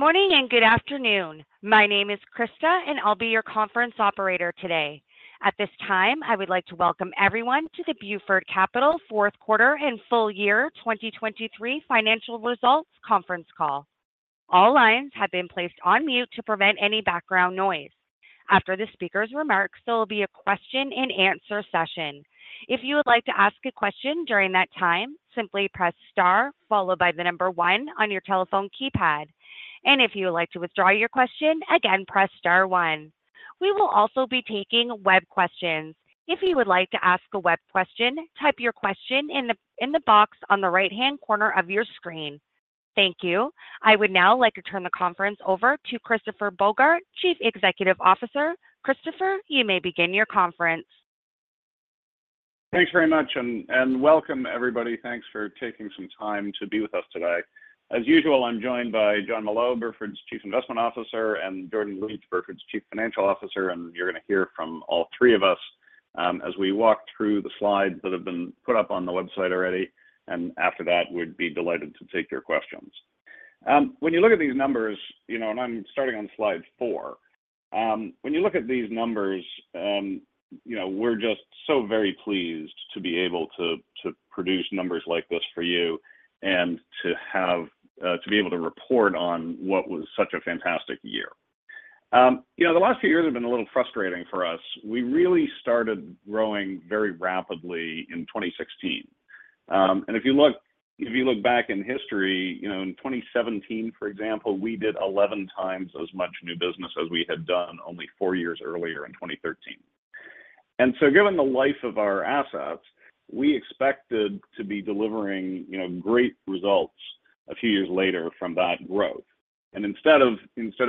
Good morning and good afternoon. My name is Krista, and I'll be your conference operator today. At this time, I would like to welcome everyone to the Burford Capital fourth-quarter and full-year 2023 financial results conference call. All lines have been placed on mute to prevent any background noise. After the speaker's remarks, there will be a question-and-answer session. If you would like to ask a question during that time, simply press star followed by the number 1 on your telephone keypad. And if you would like to withdraw your question, again, press star 1. We will also be taking web questions. If you would like to ask a web question, type your question in the box on the right-hand corner of your screen. Thank you. I would now like to turn the conference over to Christopher Bogart, Chief Executive Officer. Christopher, you may begin your conference. Thanks very much, and welcome, everybody. Thanks for taking some time to be with us today. As usual, I'm joined by Jonathan Molot, Burford's Chief Investment Officer, and Jordan Licht, Burford's Chief Financial Officer. You're gonna hear from all three of us, as we walk through the slides that have been put up on the website already. After that, we'd be delighted to take your questions. When you look at these numbers, you know, and I'm starting on slide 4, when you look at these numbers, you know, we're just so very pleased to be able to, to produce numbers like this for you and to have, to be able to report on what was such a fantastic year. You know, the last few years have been a little frustrating for us. We really started growing very rapidly in 2016. If you look back in history, you know, in 2017, for example, we did 11 times as much new business as we had done only four years earlier in 2013. And so given the life of our assets, we expected to be delivering, you know, great results a few years later from that growth. And instead of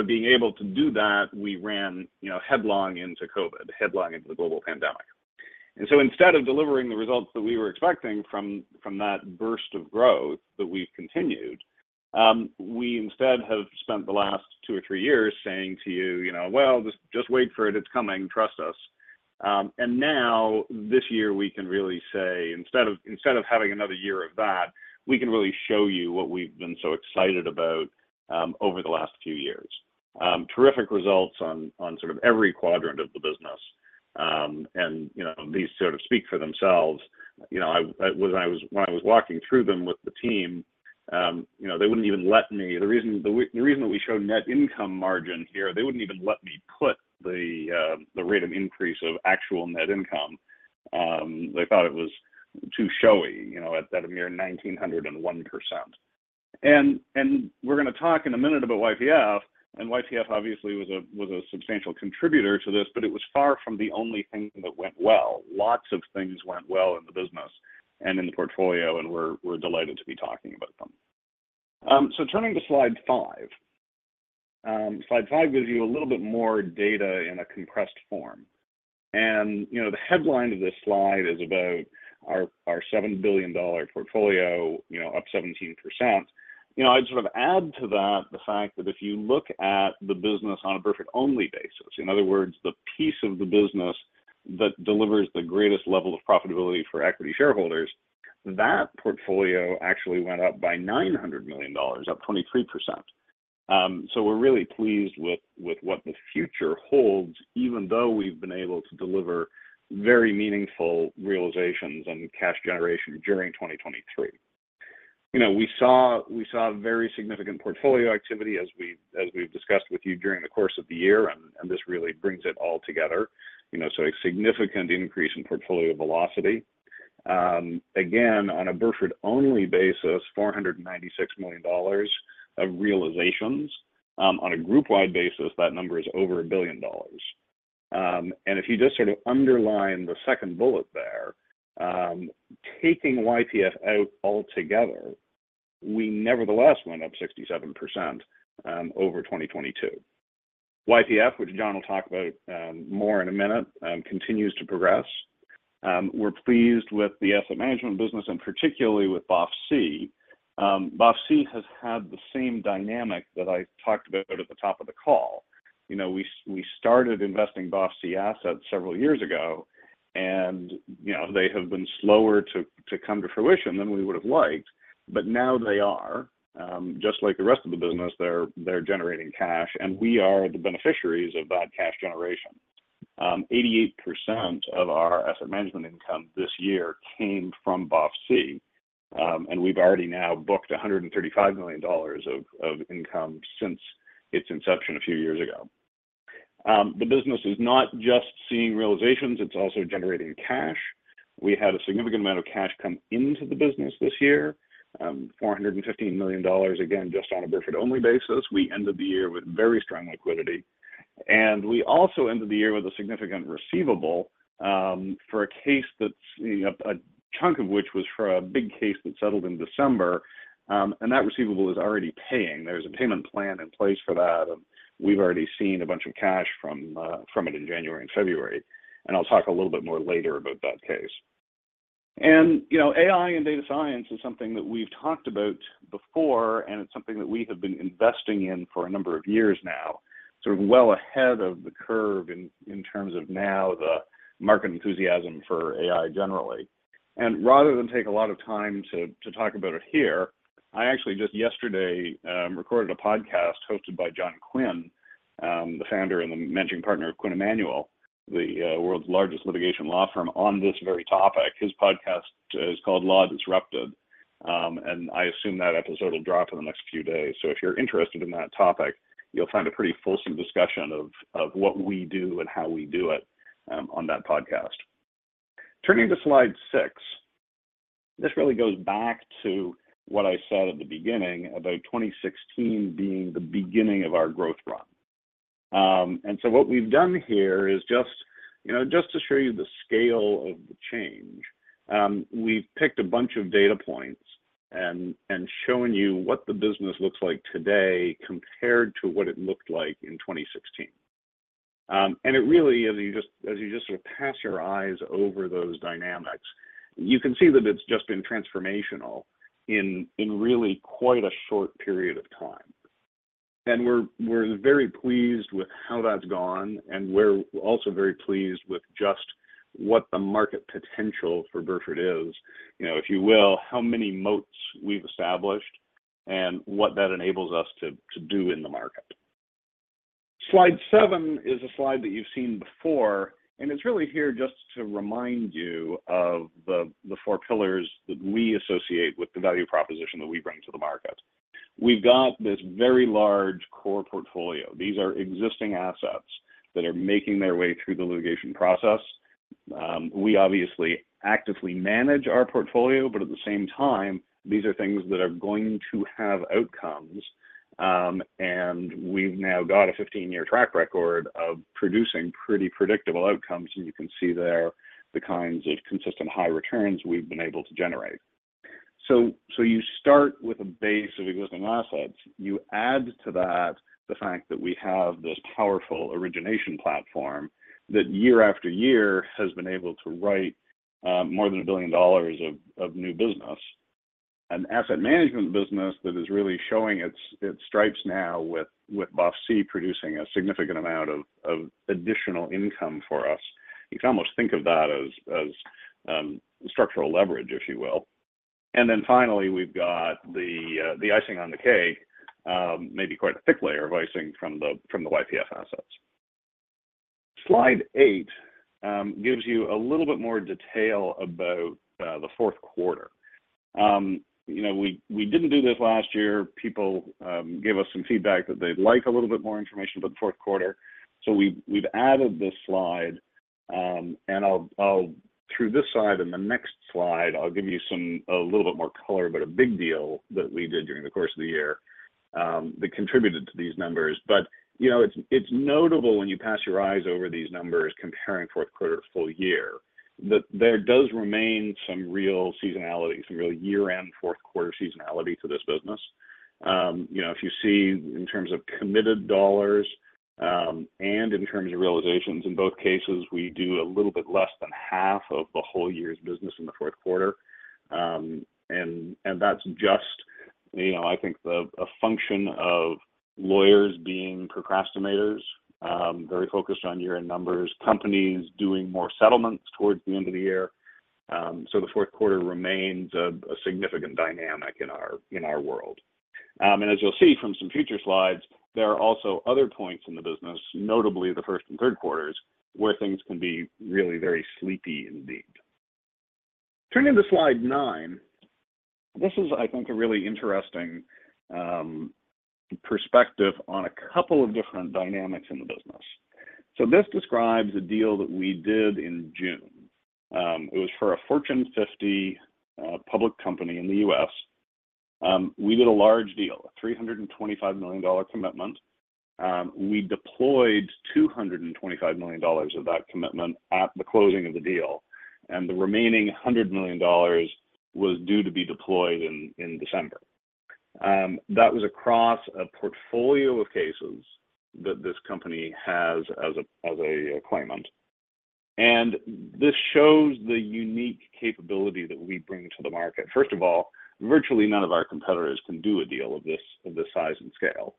being able to do that, we ran, you know, headlong into COVID, headlong into the global pandemic. And so instead of delivering the results that we were expecting from that burst of growth that we've continued, we instead have spent the last two or three years saying to you, you know, "Well, just wait for it. It's coming. Trust us." And now, this year, we can really say, instead of having another year of that, we can really show you what we've been so excited about, over the last few years. Terrific results on sort of every quadrant of the business. And, you know, these sort of speak for themselves. You know, when I was walking through them with the team, you know, they wouldn't even let me. The reason that we show net income margin here, they wouldn't even let me put the rate of increase of actual net income. They thought it was too showy, you know, at that mere 1,901%. And we're gonna talk in a minute about YPF. And YPF, obviously, was a substantial contributor to this, but it was far from the only thing that went well. Lots of things went well in the business and in the portfolio, and we're, we're delighted to be talking about them. Turning to slide 5, slide 5 gives you a little bit more data in a compressed form. You know, the headline of this slide is about our, our $7 billion portfolio, you know, up 17%. You know, I'd sort of add to that the fact that if you look at the business on a Burford-only basis, in other words, the piece of the business that delivers the greatest level of profitability for equity shareholders, that portfolio actually went up by $900 million, up 23%. We're really pleased with, with what the future holds, even though we've been able to deliver very meaningful realizations and cash generation during 2023. You know, we saw very significant portfolio activity as we've discussed with you during the course of the year. And this really brings it all together, you know, so a significant increase in portfolio velocity. Again, on a Burford-only basis, $496 million of realizations. On a group-wide basis, that number is over $1 billion. And if you just sort of underline the second bullet there, taking YPF out altogether, we nevertheless went up 67% over 2022. YPF, which Jon will talk about more in a minute, continues to progress. We're pleased with the asset management business and particularly with BOFC. BOFC has had the same dynamic that I talked about at the top of the call. You know, we started investing BOFC assets several years ago, and, you know, they have been slower to come to fruition than we would have liked. But now they are. Just like the rest of the business, they're, they're generating cash, and we are the beneficiaries of that cash generation. 88% of our asset management income this year came from BOFC. We've already now booked $135 million of, of income since its inception a few years ago. The business is not just seeing realizations. It's also generating cash. We had a significant amount of cash come into the business this year, $415 million, again, just on a Burford-only basis. We ended the year with very strong liquidity. We also ended the year with a significant receivable, for a case that's, you know, a chunk of which was for a big case that settled in December. And that receivable is already paying. There's a payment plan in place for that, and we've already seen a bunch of cash from, from it in January and February. I'll talk a little bit more later about that case. You know, AI and data science is something that we've talked about before, and it's something that we have been investing in for a number of years now, sort of well ahead of the curve in terms of now the market enthusiasm for AI generally. Rather than take a lot of time to, to talk about it here, I actually just yesterday recorded a podcast hosted by John Quinn, the founder and the managing partner of Quinn Emanuel, the world's largest litigation law firm, on this very topic. His podcast is called Law Disrupted, and I assume that episode will drop in the next few days. So if you're interested in that topic, you'll find a pretty fulsome discussion of what we do and how we do it, on that podcast. Turning to slide 6, this really goes back to what I said at the beginning about 2016 being the beginning of our growth run. And so what we've done here is just, you know, just to show you the scale of the change, we've picked a bunch of data points and shown you what the business looks like today compared to what it looked like in 2016. And it really, as you just sort of pass your eyes over those dynamics, you can see that it's just been transformational in really quite a short period of time. And we're very pleased with how that's gone and we're also very pleased with just what the market potential for Burford is, you know, if you will, how many moats we've established and what that enables us to do in the market. Slide 7 is a slide that you've seen before, and it's really here just to remind you of the four pillars that we associate with the value proposition that we bring to the market. We've got this very large core portfolio. These are existing assets that are making their way through the litigation process. We obviously actively manage our portfolio, but at the same time, these are things that are going to have outcomes. We've now got a 15-year track record of producing pretty predictable outcomes. You can see there the kinds of consistent high returns we've been able to generate. So you start with a base of existing assets. You add to that the fact that we have this powerful origination platform that year after year has been able to write more than $1 billion of new business, an asset management business that is really showing its stripes now with BOFC producing a significant amount of additional income for us. You can almost think of that as structural leverage, if you will. And then finally, we've got the icing on the cake, maybe quite a thick layer of icing from the YPF assets. Slide 8 gives you a little bit more detail about the fourth quarter. You know, we didn't do this last year. People gave us some feedback that they'd like a little bit more information about the fourth quarter. So we've added this slide. I'll go through this slide and the next slide. I'll give you some, a little bit more color, but a big deal that we did during the course of the year that contributed to these numbers. But, you know, it's notable when you pass your eyes over these numbers comparing fourth quarter to full year that there does remain some real seasonality, some real year-end fourth quarter seasonality to this business. You know, if you see in terms of committed dollars and in terms of realizations, in both cases, we do a little bit less than half of the whole year's business in the fourth quarter. And that's just, you know, I think a function of lawyers being procrastinators, very focused on year-end numbers, companies doing more settlements towards the end of the year. So the fourth quarter remains a significant dynamic in our world. As you'll see from some future slides, there are also other points in the business, notably the first and third quarters, where things can be really very sleepy indeed. Turning to slide 9, this is, I think, a really interesting perspective on a couple of different dynamics in the business. This describes a deal that we did in June. It was for a Fortune 50 public company in the U.S. We did a large deal, a $325 million commitment. We deployed $225 million of that commitment at the closing of the deal. The remaining $100 million was due to be deployed in December. That was across a portfolio of cases that this company has as a claimant. This shows the unique capability that we bring to the market. First of all, virtually none of our competitors can do a deal of this size and scale.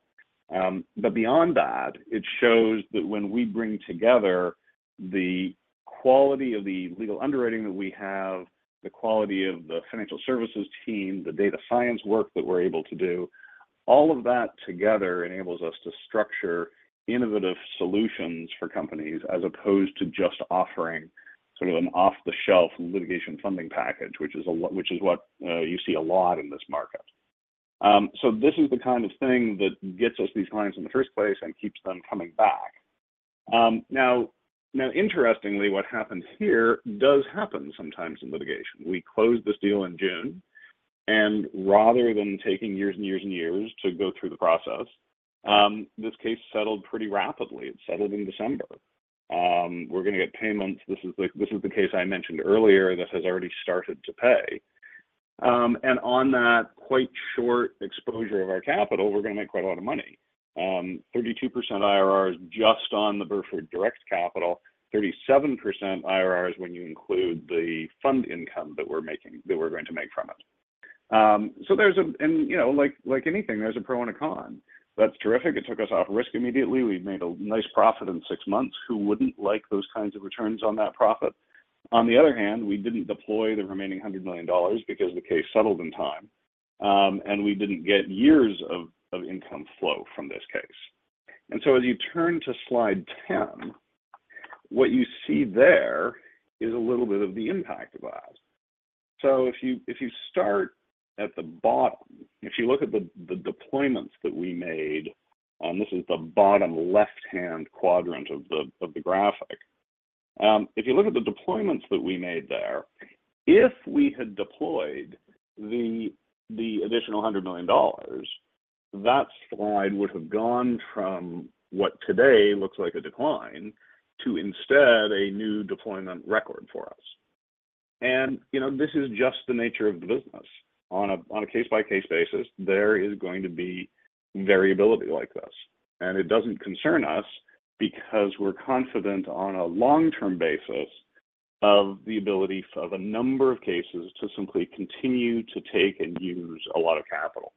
But beyond that, it shows that when we bring together the quality of the legal underwriting that we have, the quality of the financial services team, the data science work that we're able to do, all of that together enables us to structure innovative solutions for companies as opposed to just offering sort of an off-the-shelf litigation funding package, which is what you see a lot in this market. So this is the kind of thing that gets us these clients in the first place and keeps them coming back. Now, interestingly, what happens here does happen sometimes in litigation. We close this deal in June. And rather than taking years and years and years to go through the process, this case settled pretty rapidly. It settled in December. We're gonna get payments. This is the case I mentioned earlier that has already started to pay. On that quite short exposure of our capital, we're gonna make quite a lot of money, 32% IRR just on the Burford direct capital, 37% IRR when you include the fund income that we're making that we're going to make from it. So there's a, you know, like anything, there's a pro and a con. That's terrific. It took us off risk immediately. We made a nice profit in six months. Who wouldn't like those kinds of returns on that profit? On the other hand, we didn't deploy the remaining $100 million because the case settled in time. And we didn't get years of income flow from this case. And so as you turn to slide 10, what you see there is a little bit of the impact of that. So if you start at the bottom, if you look at the deployments that we made, this is the bottom left-hand quadrant of the graphic. If you look at the deployments that we made there, if we had deployed the additional $100 million, that slide would have gone from what today looks like a decline to instead a new deployment record for us. And, you know, this is just the nature of the business. On a case-by-case basis, there is going to be variability like this. And it doesn't concern us because we're confident on a long-term basis of the ability of a number of cases to simply continue to take and use a lot of capital.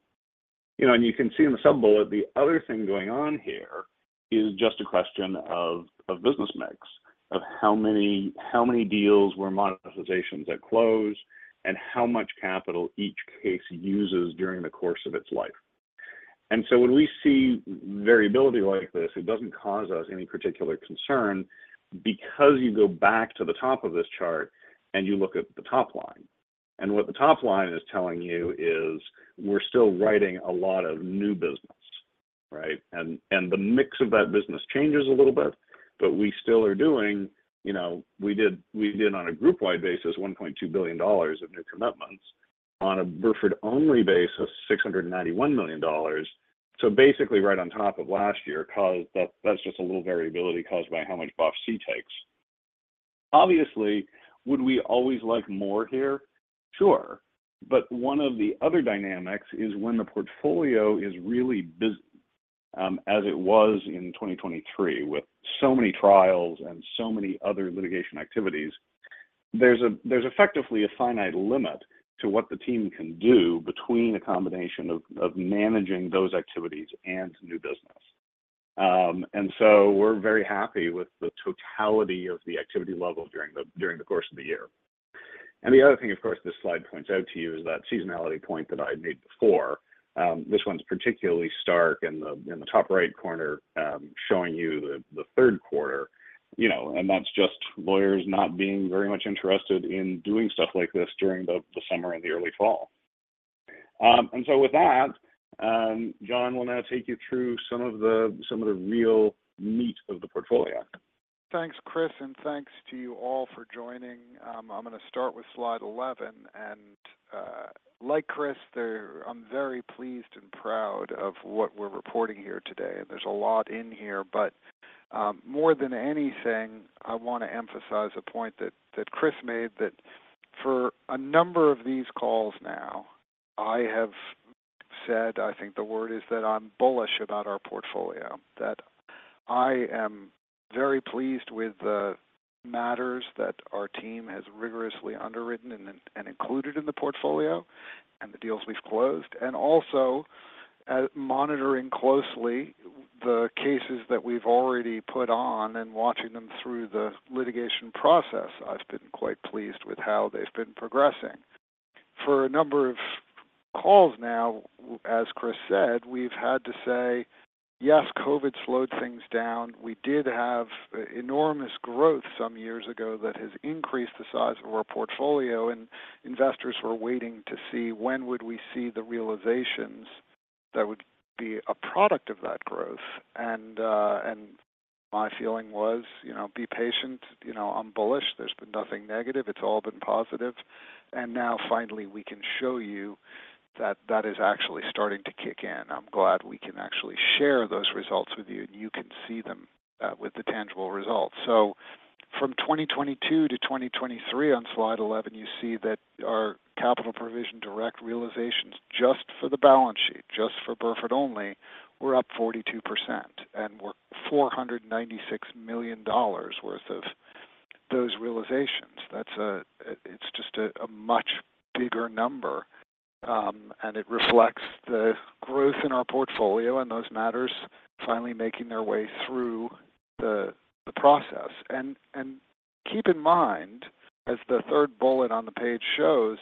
You know, and you can see in the subbullet, the other thing going on here is just a question of business mix, of how many deals were monetizations that closed and how much capital each case uses during the course of its life. So when we see variability like this, it doesn't cause us any particular concern because you go back to the top of this chart, and you look at the top line. And what the top line is telling you is, "We're still writing a lot of new business," right? And the mix of that business changes a little bit, but we still are doing, you know, we did on a group-wide basis, $1.2 billion of new commitments. On a Burford-only basis, $691 million. So basically, right on top of last year. That's just a little variability caused by how much BOFC takes. Obviously, would we always like more here? Sure. But one of the other dynamics is when the portfolio is really busy, as it was in 2023 with so many trials and so many other litigation activities, there's effectively a finite limit to what the team can do between a combination of managing those activities and new business. And so we're very happy with the totality of the activity level during the course of the year. And the other thing, of course, this slide points out to you is that seasonality point that I made before. This one's particularly stark in the top right corner, showing you the third quarter. You know, and that's just lawyers not being very much interested in doing stuff like this during the summer and the early fall. And so with that, Jon will now take you through some of the real meat of the portfolio. Thanks, Chris. And thanks to you all for joining. I'm gonna start with slide 11. And, like Chris, there I'm very pleased and proud of what we're reporting here today. And there's a lot in here. But, more than anything, I wanna emphasize a point that, that Chris made that for a number of these calls now, I have said I think the word is that I'm bullish about our portfolio, that I am very pleased with the matters that our team has rigorously underwritten and, and included in the portfolio and the deals we've closed, and also at monitoring closely the cases that we've already put on and watching them through the litigation process. I've been quite pleased with how they've been progressing. For a number of calls now, as Chris said, we've had to say, "Yes, COVID slowed things down. We did have enormous growth some years ago that has increased the size of our portfolio. Investors were waiting to see, "When would we see the realizations that would be a product of that growth?" And my feeling was, you know, "Be patient. You know, I'm bullish. There's been nothing negative. It's all been positive." And now, finally, we can show you that that is actually starting to kick in. I'm glad we can actually share those results with you, and you can see them with the tangible results. So from 2022 to 2023, on slide 11, you see that our capital provision direct realizations just for the balance sheet, just for Burford only, were up 42%. And we're $496 million worth of those realizations. That's just a much bigger number, and it reflects the growth in our portfolio and those matters finally making their way through the process. And keep in mind, as the third bullet on the page shows,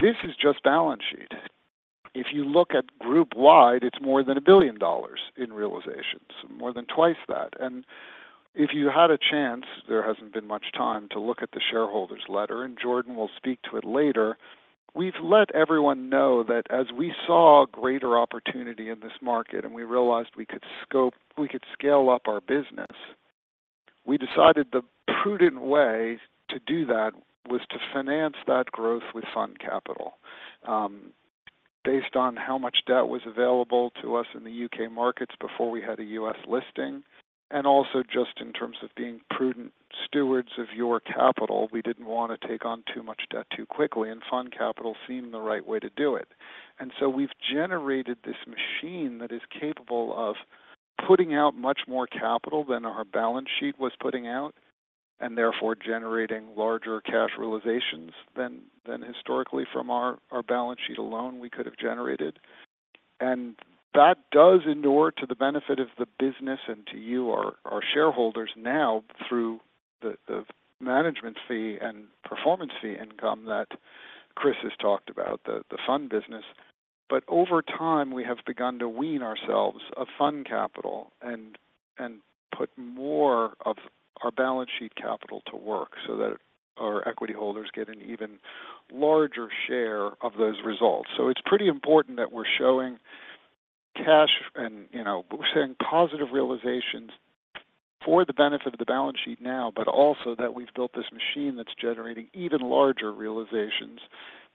this is just balance sheet. If you look at group-wide, it's more than $1 billion in realizations, more than twice that. And if you had a chance, there hasn't been much time, to look at the shareholders' letter, and Jordan will speak to it later, we've let everyone know that as we saw greater opportunity in this market and we realized we could scope we could scale up our business, we decided the prudent way to do that was to finance that growth with fund capital, based on how much debt was available to us in the U.K. markets before we had a U.S. listing. And also just in terms of being prudent stewards of your capital, we didn't wanna take on too much debt too quickly. Fund capital seemed the right way to do it. So we've generated this machine that is capable of putting out much more capital than our balance sheet was putting out and therefore generating larger cash realizations than historically from our balance sheet alone we could have generated. And that does inure to the benefit of the business and to you, our shareholders now through the management fee and performance fee income that Chris has talked about, the fund business. But over time, we have begun to wean ourselves of fund capital and put more of our balance sheet capital to work so that our equity holders get an even larger share of those results. So it's pretty important that we're showing cash and, you know, we're saying positive realizations for the benefit of the balance sheet now, but also that we've built this machine that's generating even larger realizations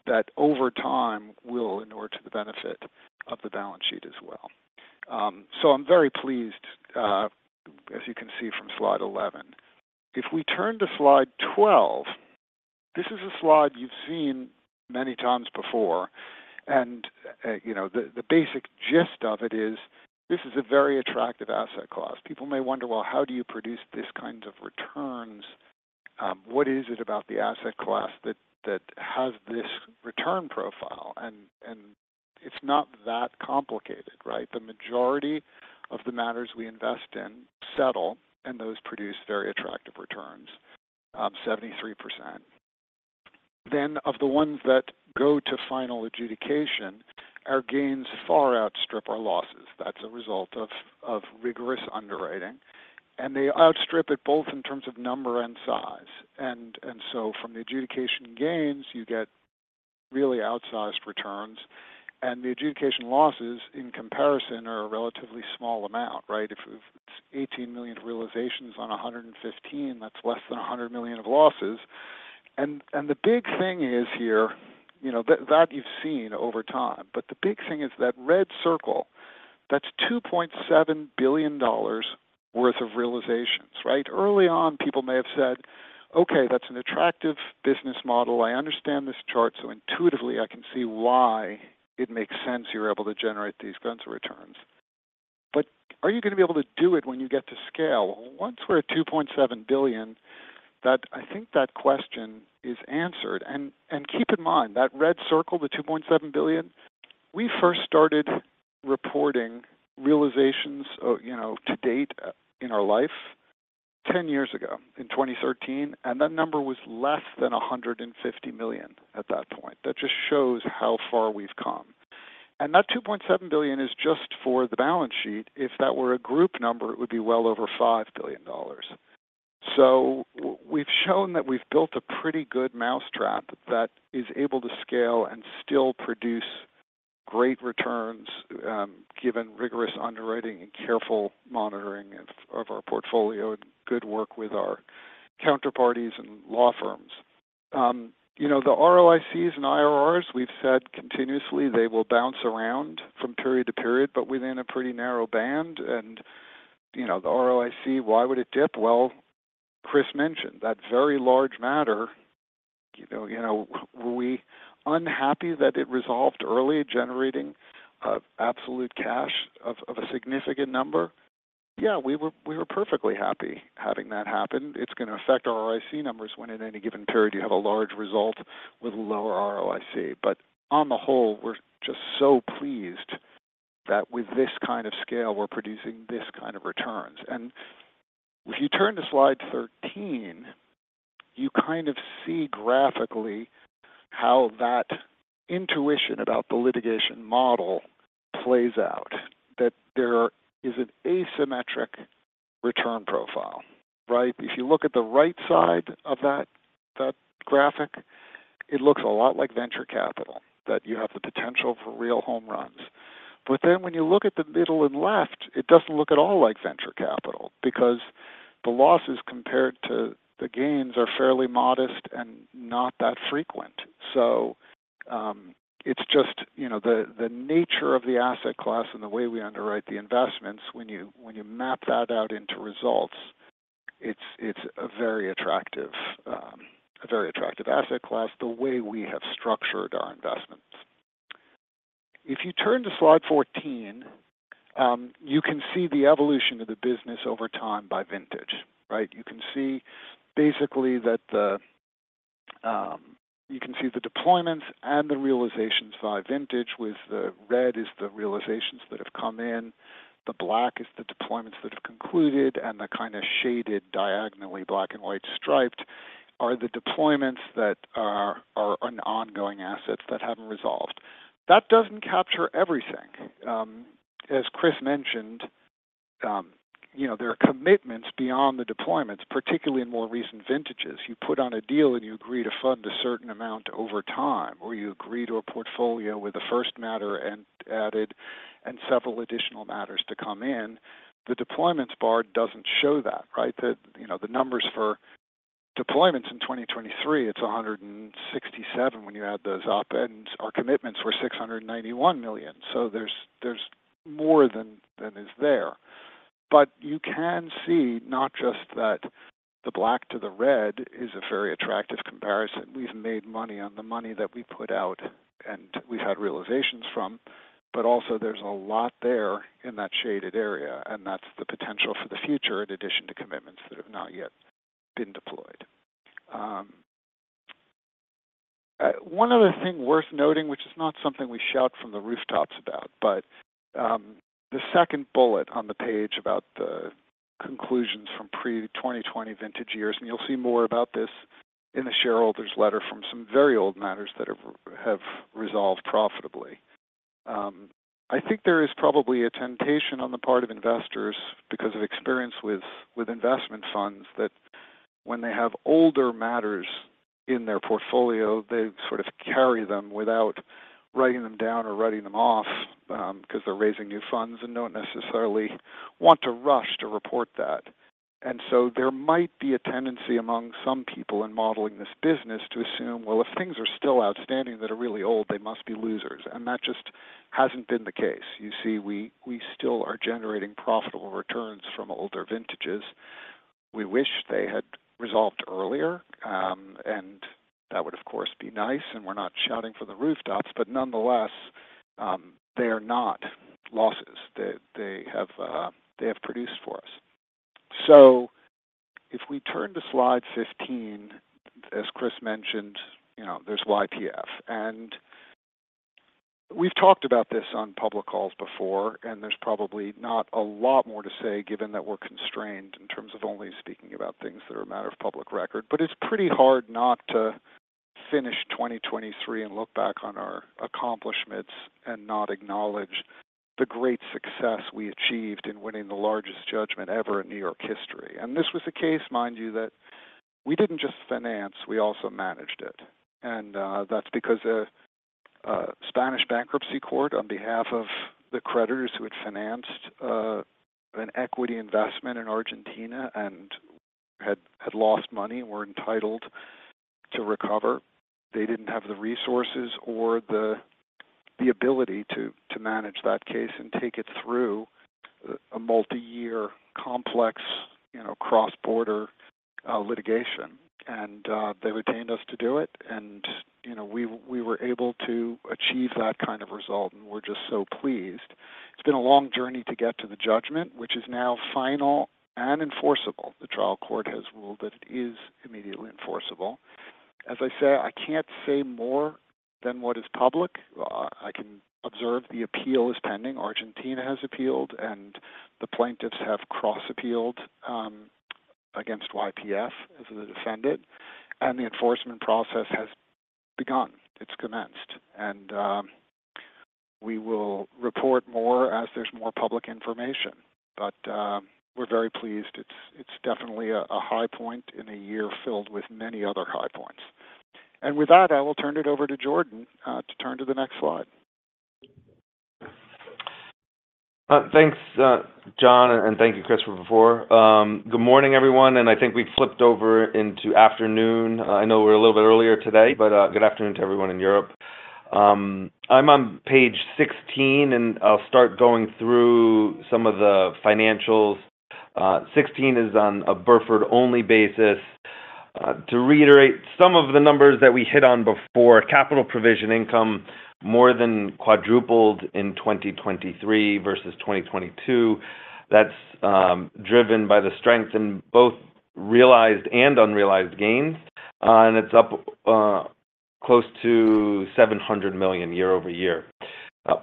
that over time will inure to the benefit of the balance sheet as well. So I'm very pleased, as you can see from slide 11. If we turn to slide 12, this is a slide you've seen many times before. And, you know, the basic gist of it is, this is a very attractive asset class. People may wonder, "Well, how do you produce this kinds of returns? What is it about the asset class that has this return profile?" And it's not that complicated, right? The majority of the matters we invest in settle, and those produce very attractive returns, 73%. Then of the ones that go to final adjudication, our gains far outstrip our losses. That's a result of, of rigorous underwriting. And they outstrip it both in terms of number and size. And, and so from the adjudication gains, you get really outsized returns. And the adjudication losses, in comparison, are a relatively small amount, right? If we've it's $18 million realizations on 115, that's less than $100 million of losses. And, and the big thing is here you know, that, that you've seen over time. But the big thing is that red circle, that's $2.7 billion worth of realizations, right? Early on, people may have said, "Okay. That's an attractive business model. I understand this chart. So intuitively, I can see why it makes sense you're able to generate these kinds of returns." But are you gonna be able to do it when you get to scale? Well, once we're at $2.7 billion, that I think that question is answered. And keep in mind, that red circle, the $2.7 billion, we first started reporting realizations, you know, to date, in our life 10 years ago, in 2013. And that number was less than $150 million at that point. That just shows how far we've come. And that $2.7 billion is just for the balance sheet. If that were a group number, it would be well over $5 billion. So we've shown that we've built a pretty good mousetrap that is able to scale and still produce great returns, given rigorous underwriting and careful monitoring of our portfolio and good work with our counterparties and law firms. You know, the ROICs and IRRs, we've said continuously, they will bounce around from period to period, but within a pretty narrow band. And, you know, the ROIC, why would it dip? Well, Chris mentioned that very large matter. You know, you know, were we unhappy that it resolved early, generating absolute cash of a significant number? Yeah, we were perfectly happy having that happen. It's gonna affect ROIC numbers when in any given period you have a large result with a lower ROIC. But on the whole, we're just so pleased that with this kind of scale, we're producing this kind of returns. And if you turn to slide 13, you kind of see graphically how that intuition about the litigation model plays out, that there is an asymmetric return profile, right? If you look at the right side of that graphic, it looks a lot like venture capital, that you have the potential for real home runs. But then when you look at the middle and left, it doesn't look at all like venture capital because the losses compared to the gains are fairly modest and not that frequent. So, it's just you know, the nature of the asset class and the way we underwrite the investments, when you map that out into results, it's a very attractive asset class the way we have structured our investments. If you turn to slide 14, you can see the evolution of the business over time by vintage, right? You can see basically that you can see the deployments and the realizations by vintage, with the red is the realizations that have come in, the black is the deployments that have concluded, and the kinda shaded diagonally black and white striped are the deployments that are ongoing assets that haven't resolved. That doesn't capture everything. As Chris mentioned, you know, there are commitments beyond the deployments, particularly in more recent vintages. You put on a deal, and you agree to fund a certain amount over time, or you agree to a portfolio with a first matter and added and several additional matters to come in. The deployments bar doesn't show that, right? The, you know, the numbers for deployments in 2023, it's $167 million when you add those op-ends. Our commitments were $691 million. So there's, there's more than, than is there. But you can see not just that the black to the red is a very attractive comparison. We've made money on the money that we put out and we've had realizations from. But also, there's a lot there in that shaded area. And that's the potential for the future in addition to commitments that have not yet been deployed. One other thing worth noting, which is not something we shout from the rooftops about, but the second bullet on the page about the conclusions from pre-2020 vintage years and you'll see more about this in the shareholders' letter from some very old matters that have resolved profitably. I think there is probably a temptation on the part of investors because of experience with investment funds that when they have older matters in their portfolio, they sort of carry them without writing them down or writing them off, 'cause they're raising new funds and don't necessarily want to rush to report that. And so there might be a tendency among some people in modeling this business to assume, "Well, if things are still outstanding that are really old, they must be losers." And that just hasn't been the case. You see, we still are generating profitable returns from older vintages. We wish they had resolved earlier and that would, of course, be nice. We're not shouting from the rooftops. But nonetheless, they are not losses that they have; they have produced for us. So if we turn to slide 15, as Chris mentioned, you know, there's YPF. We've talked about this on public calls before. There's probably not a lot more to say given that we're constrained in terms of only speaking about things that are a matter of public record. It's pretty hard not to finish 2023 and look back on our accomplishments and not acknowledge the great success we achieved in winning the largest judgment ever in New York history. This was the case, mind you, that we didn't just finance. We also managed it. That's because a Spanish bankruptcy court on behalf of the creditors who had financed an equity investment in Argentina and had lost money and were entitled to recover. They didn't have the resources or the ability to manage that case and take it through a multiyear complex, you know, cross-border litigation. They retained us to do it. You know, we were able to achieve that kind of result. We're just so pleased. It's been a long journey to get to the judgment, which is now final and enforceable. The trial court has ruled that it is immediately enforceable. As I say, I can't say more than what is public. I can observe the appeal is pending. Argentina has appealed. The plaintiffs have cross-appealed against YPF as the defendant. The enforcement process has begun. It's commenced. And we will report more as there's more public information. But we're very pleased. It's definitely a high point in a year filled with many other high points. And with that, I will turn it over to Jordan to turn to the next slide. Thanks, Jon. And thank you, Chris, for before. Good morning, everyone. And I think we've flipped over into afternoon. I know we're a little bit earlier today, but good afternoon to everyone in Europe. I'm on page 16. And I'll start going through some of the financials. 16 is on a Burford-only basis. To reiterate some of the numbers that we hit on before, capital provision income more than quadrupled in 2023 versus 2022. That's driven by the strength in both realized and unrealized gains. And it's up close to $700 million year-over-year.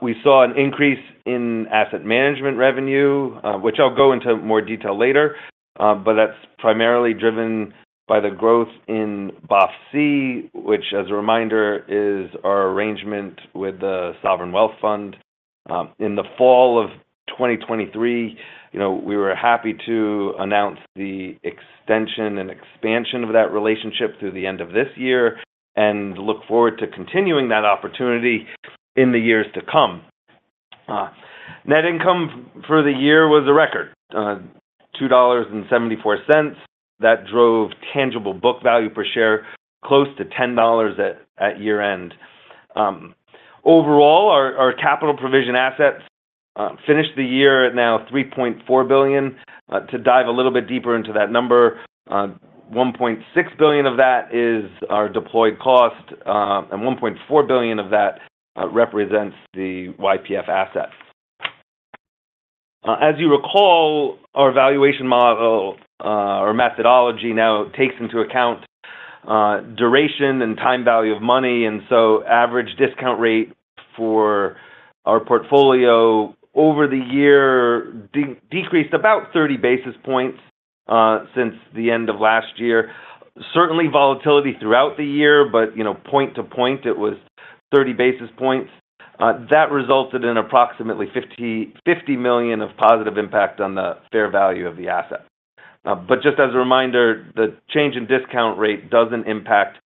We saw an increase in asset management revenue, which I'll go into more detail later. But that's primarily driven by the growth in BOFC, which, as a reminder, is our arrangement with the sovereign wealth fund. In the fall of 2023, you know, we were happy to announce the extension and expansion of that relationship through the end of this year and look forward to continuing that opportunity in the years to come. Net income for the year was a record $2.74. That drove tangible book value per share close to $10 at year-end. Overall, our capital provision assets finished the year at now $3.4 billion. To dive a little bit deeper into that number, $1.6 billion of that is our deployed cost. And $1.4 billion of that represents the YPF assets. As you recall, our valuation model or methodology now takes into account duration and time value of money. And so the average discount rate for our portfolio over the year decreased about 30 basis points since the end of last year. Certainly, volatility throughout the year, but you know, point to point, it was 30 basis points. That resulted in approximately $50 million of positive impact on the fair value of the asset. But just as a reminder, the change in discount rate doesn't impact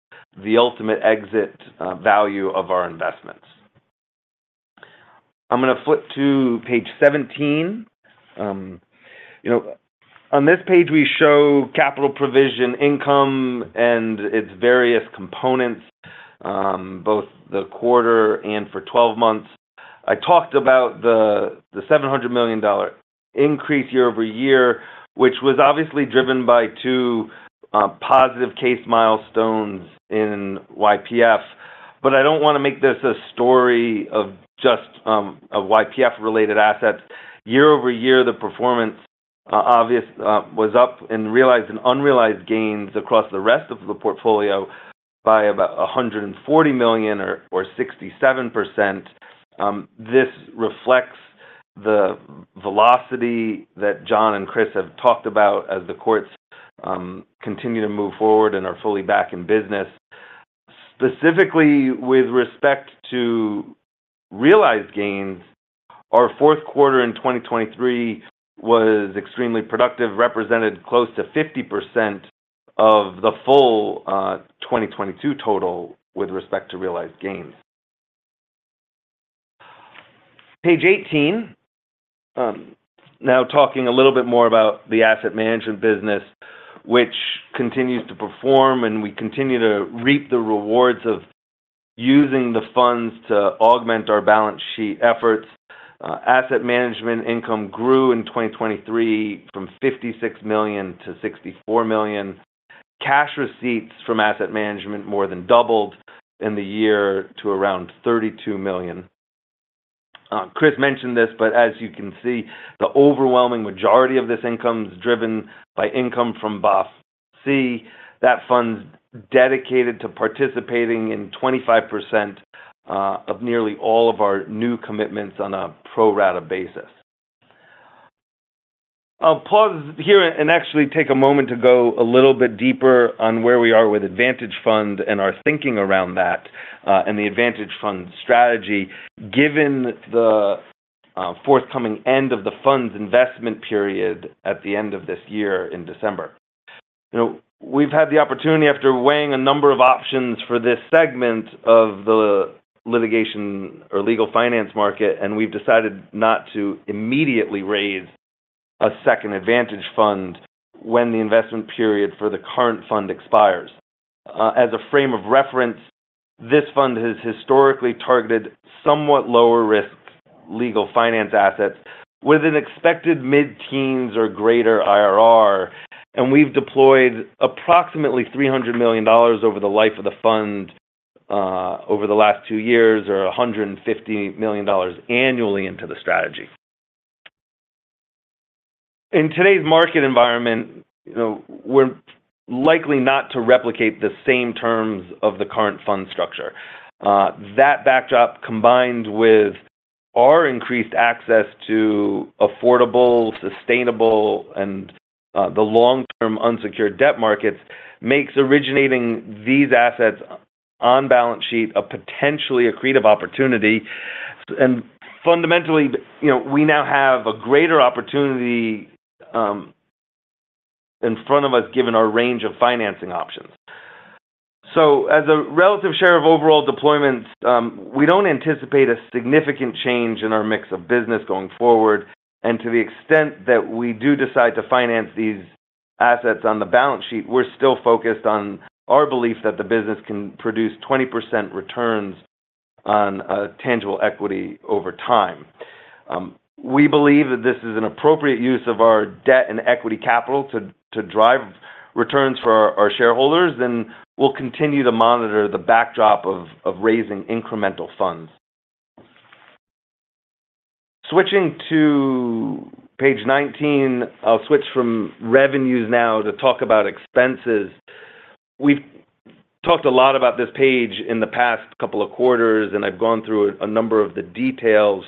the ultimate exit value of our investments. I'm gonna flip to page 17. You know, on this page, we show capital provision income and its various components, both for the quarter and for 12 months. I talked about the $700 million increase year-over-year, which was obviously driven by two positive case milestones in YPF. But I don't wanna make this a story of just, of YPF-related assets. Year-over-Year, the performance, obviously, was up in realized and unrealized gains across the rest of the portfolio by about $140 million or 67%. This reflects the velocity that Jon and Chris have talked about as the courts continue to move forward and are fully back in business. Specifically, with respect to realized gains, our fourth quarter in 2023 was extremely productive, represented close to 50% of the full 2022 total with respect to realized gains. Page 18, now talking a little bit more about the asset management business, which continues to perform. We continue to reap the rewards of using the funds to augment our balance sheet efforts. Asset management income grew in 2023 from $56 million-$64 million. Cash receipts from asset management more than doubled in the year to around $32 million. Chris mentioned this. But as you can see, the overwhelming majority of this income is driven by income from BOFC, that fund dedicated to participating in 25% of nearly all of our new commitments on a pro-rata basis. I'll pause here and actually take a moment to go a little bit deeper on where we are with Advantage Fund and our thinking around that, and the Advantage Fund strategy given the forthcoming end of the fund's investment period at the end of this year in December. You know, we've had the opportunity after weighing a number of options for this segment of the litigation or legal finance market. We've decided not to immediately raise a second Advantage Fund when the investment period for the current fund expires. As a frame of reference, this fund has historically targeted somewhat lower-risk legal finance assets with an expected mid-teens or greater IRR. And we've deployed approximately $300 million over the life of the fund, over the last 2 years or $150 million annually into the strategy. In today's market environment, you know, we're likely not to replicate the same terms of the current fund structure. That backdrop combined with our increased access to affordable, sustainable, and the long-term unsecured debt markets makes originating these assets on balance sheet a potentially accretive opportunity. And fundamentally, you know, we now have a greater opportunity in front of us given our range of financing options. So as a relative share of overall deployments, we don't anticipate a significant change in our mix of business going forward. To the extent that we do decide to finance these assets on the balance sheet, we're still focused on our belief that the business can produce 20% returns on tangible equity over time. We believe that this is an appropriate use of our debt and equity capital to drive returns for our shareholders. We'll continue to monitor the backdrop of raising incremental funds. Switching to page 19, I'll switch from revenues now to talk about expenses. We've talked a lot about this page in the past couple of quarters. I've gone through a number of the details.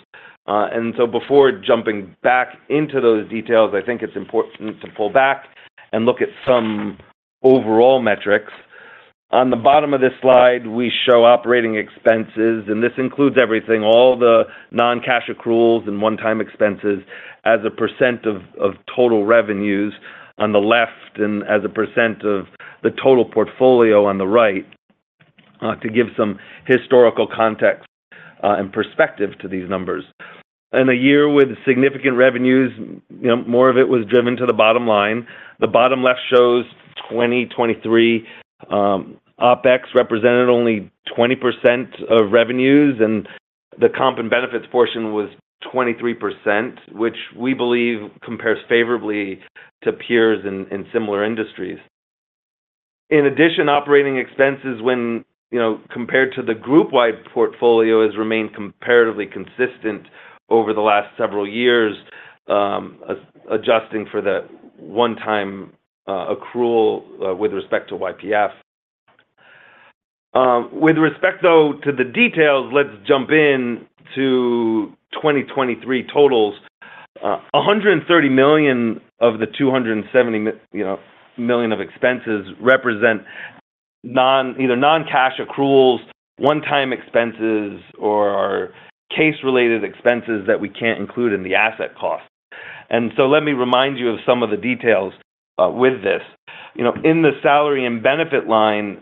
So before jumping back into those details, I think it's important to pull back and look at some overall metrics. On the bottom of this slide, we show operating expenses. This includes everything, all the non-cash accruals and one-time expenses as a percent of total revenues on the left and as a percent of the total portfolio on the right, to give some historical context and perspective to these numbers. In a year with significant revenues, you know, more of it was driven to the bottom line. The bottom left shows 2023. OpEx represented only 20% of revenues. The comp and benefits portion was 23%, which we believe compares favorably to peers in similar industries. In addition, operating expenses, when, you know, compared to the group-wide portfolio, has remained comparatively consistent over the last several years, adjusting for the one-time accrual with respect to YPF. With respect, though, to the details, let's jump in to 2023 totals. $130 million of the $270 million of expenses represent non either non-cash accruals, one-time expenses, or case-related expenses that we can't include in the asset cost. So let me remind you of some of the details, with this. You know, in the salary and benefit line,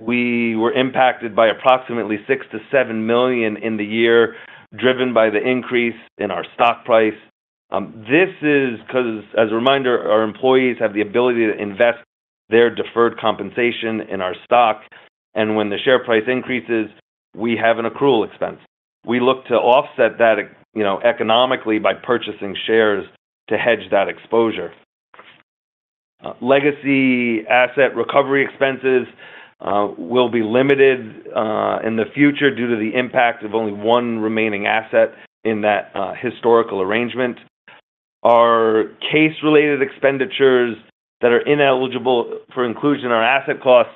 we were impacted by approximately $6 million-$7 million in the year driven by the increase in our stock price. This is 'cause, as a reminder, our employees have the ability to invest their deferred compensation in our stock. And when the share price increases, we have an accrual expense. We look to offset that you know, economically by purchasing shares to hedge that exposure. Legacy asset recovery expenses will be limited in the future due to the impact of only one remaining asset in that historical arrangement. Our case-related expenditures that are ineligible for inclusion in our asset costs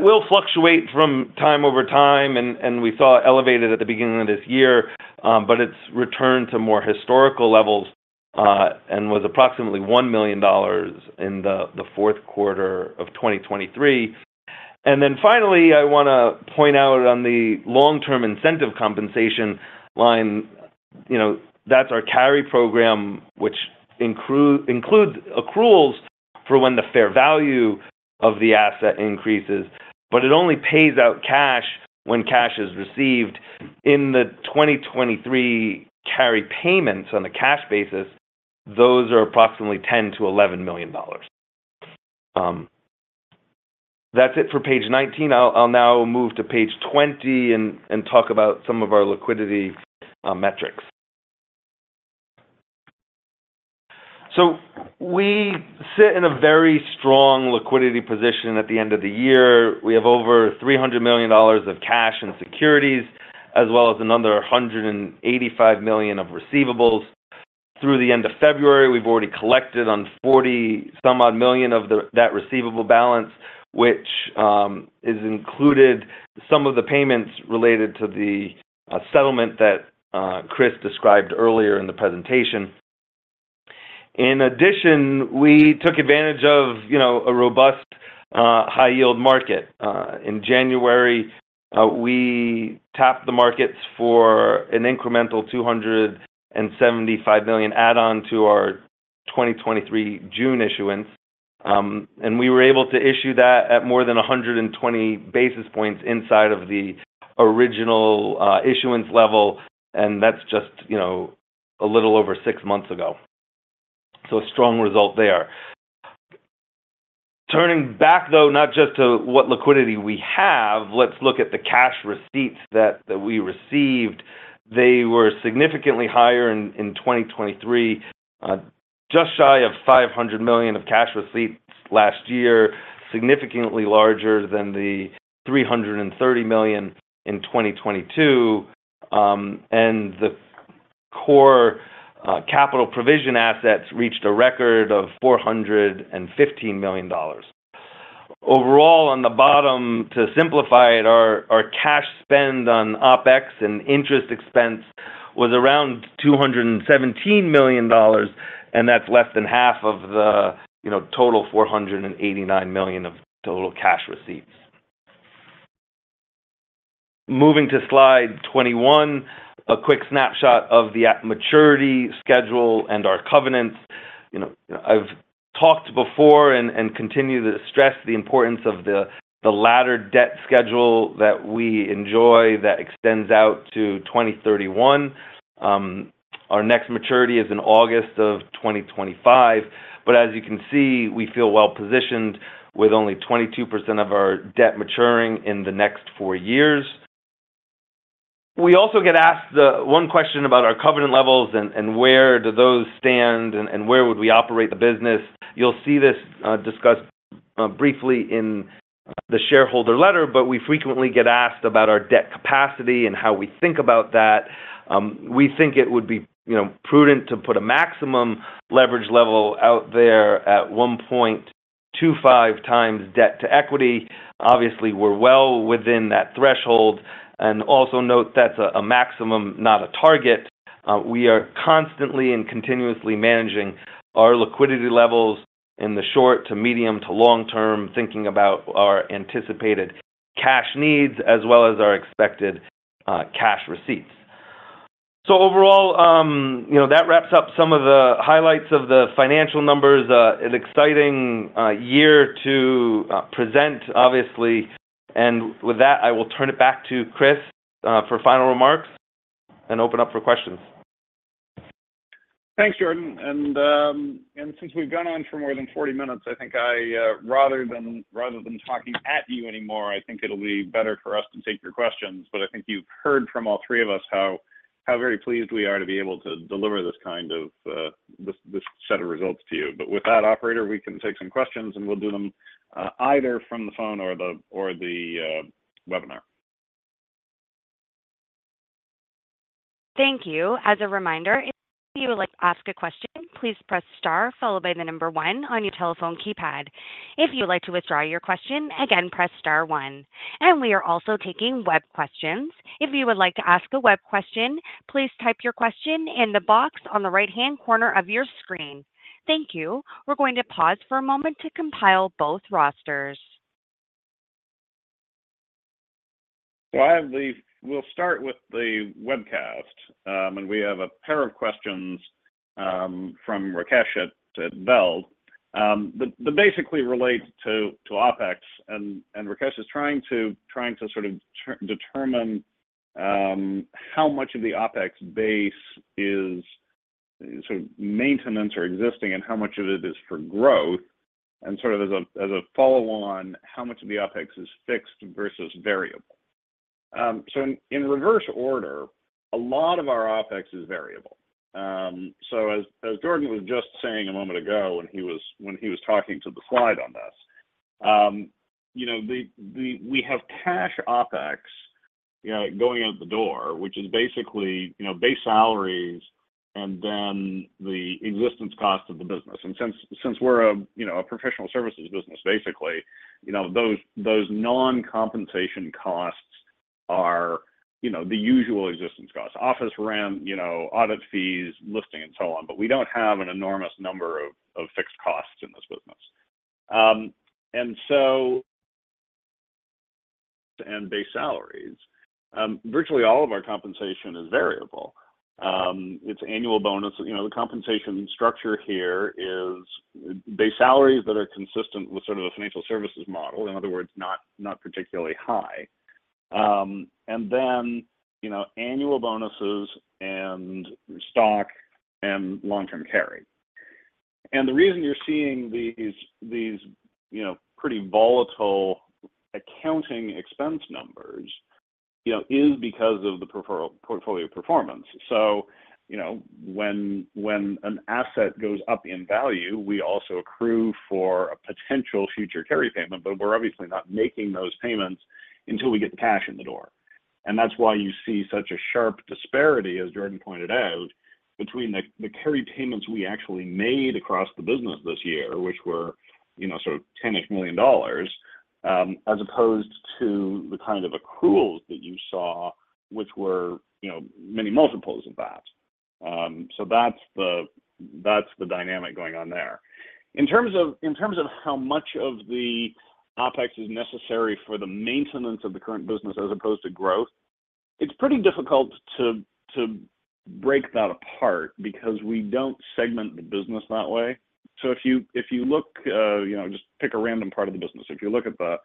will fluctuate from time over time. We saw it elevated at the beginning of this year. But it's returned to more historical levels, and was approximately $1 million in the fourth quarter of 2023. And then finally, I wanna point out on the long-term incentive compensation line, you know, that's our carry program, which includes accruals for when the fair value of the asset increases. But it only pays out cash when cash is received. In the 2023 carry payments on a cash basis, those are approximately $10 million-$11 million. That's it for page 19. I'll now move to page 20 and talk about some of our liquidity metrics. So we sit in a very strong liquidity position at the end of the year. We have over $300 million of cash and securities as well as another $185 million of receivables. Through the end of February, we've already collected on $40-some-odd million of that receivable balance, which is included some of the payments related to the settlement that Chris described earlier in the presentation. In addition, we took advantage of, you know, a robust, high-yield market. In January, we tapped the markets for an incremental $275 million add-on to our 2023 June issuance. We were able to issue that at more than 120 basis points inside of the original issuance level. And that's just, you know, a little over six months ago. So a strong result there. Turning back, though, not just to what liquidity we have, let's look at the cash receipts that we received. They were significantly higher in 2023, just shy of $500 million of cash receipts last year, significantly larger than the $330 million in 2022. And the core, capital provision assets reached a record of $415 million. Overall, on the bottom, to simplify it, our cash spend on OpEx and interest expense was around $217 million. And that's less than half of the, you know, total $489 million of total cash receipts. Moving to slide 21, a quick snapshot of the at-maturity schedule and our covenants. You know, I've talked before and continue to stress the importance of the laddered debt schedule that we enjoy that extends out to 2031. Our next maturity is in August of 2025. But as you can see, we feel well-positioned with only 22% of our debt maturing in the next four years. We also get asked the one question about our covenant levels and where do those stand and where would we operate the business. You'll see this discussed briefly in the shareholder letter. But we frequently get asked about our debt capacity and how we think about that. We think it would be, you know, prudent to put a maximum leverage level out there at 1.25 times debt to equity. Obviously, we're well within that threshold. And also note that's a maximum, not a target. We are constantly and continuously managing our liquidity levels in the short to medium to long term, thinking about our anticipated cash needs as well as our expected cash receipts. So overall, you know, that wraps up some of the highlights of the financial numbers. An exciting year to present, obviously. With that, I will turn it back to Chris, for final remarks and open up for questions. Thanks, Jordan. Since we've gone on for more than 40 minutes, I think, rather than talking at you anymore, I think it'll be better for us to take your questions. But I think you've heard from all three of us how very pleased we are to be able to deliver this kind of set of results to you. With that, operator, we can take some questions. And we'll do them, either from the phone or the webinar. Thank you. As a reminder, if you would like to ask a question, please press star followed by the number one on your telephone keypad. If you would like to withdraw your question, again, press star one. We are also taking web questions. If you would like to ask a web question, please type your question in the box on the right-hand corner of your screen. Thank you. We're going to pause for a moment to compile both rosters. So, we'll start with the webcast, and we have a pair of questions from Rakesh at Bell. It basically relates to OpEx. And Rakesh is trying to sort of to determine how much of the OpEx base is sort of maintenance or existing and how much of it is for growth. And sort of as a follow-on, how much of the OpEx is fixed versus variable. So, in reverse order, a lot of our OpEx is variable. So, as Jordan was just saying a moment ago when he was talking to the slide on this, you know, we have cash OpEx, you know, going out the door, which is basically, you know, base salaries and then the existing cost of the business. And since we're you know, a professional services business, basically, you know, those non-compensation costs are you know, the usual existence costs: office rent, you know, audit fees, listing, and so on. But we don't have an enormous number of fixed costs in this business. And so. And base salaries. Virtually all of our compensation is variable. It's annual bonus. You know, the compensation structure here is base salaries that are consistent with sort of a financial services model. In other words, not particularly high. And then, you know, annual bonuses and stock and long-term carry. And the reason you're seeing these you know, pretty volatile accounting expense numbers, you know, is because of the preferred portfolio performance. So, you know, when an asset goes up in value, we also accrue for a potential future carry payment. But we're obviously not making those payments until we get the cash in the door. And that's why you see such a sharp disparity, as Jordan pointed out, between the carry payments we actually made across the business this year, which were, you know, sort of $10-ish million, as opposed to the kind of accruals that you saw, which were, you know, many multiples of that. So that's the dynamic going on there. In terms of how much of the OpEx is necessary for the maintenance of the current business as opposed to growth, it's pretty difficult to break that apart because we don't segment the business that way. So if you look, you know, just pick a random part of the business. If you look at the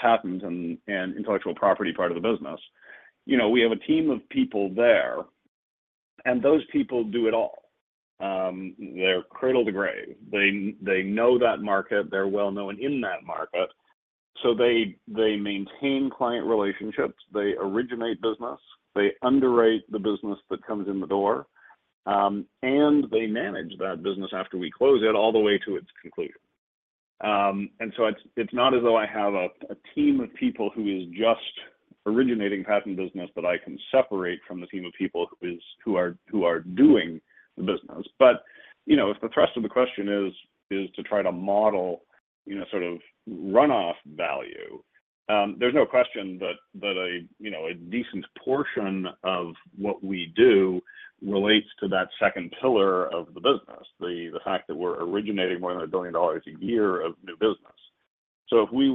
patent and intellectual property part of the business, you know, we have a team of people there. And those people do it all. They're cradle to grave. They know that market. They're well-known in that market. So they maintain client relationships. They originate business. They underwrite the business that comes in the door. And they manage that business after we close it all the way to its conclusion. And so it's not as though I have a team of people who is just originating patent business that I can separate from the team of people who are doing the business. But, you know, if the thrust of the question is to try to model, you know, sort of runoff value, there's no question that, you know, a decent portion of what we do relates to that second pillar of the business, the fact that we're originating more than $1 billion a year of new business. So if you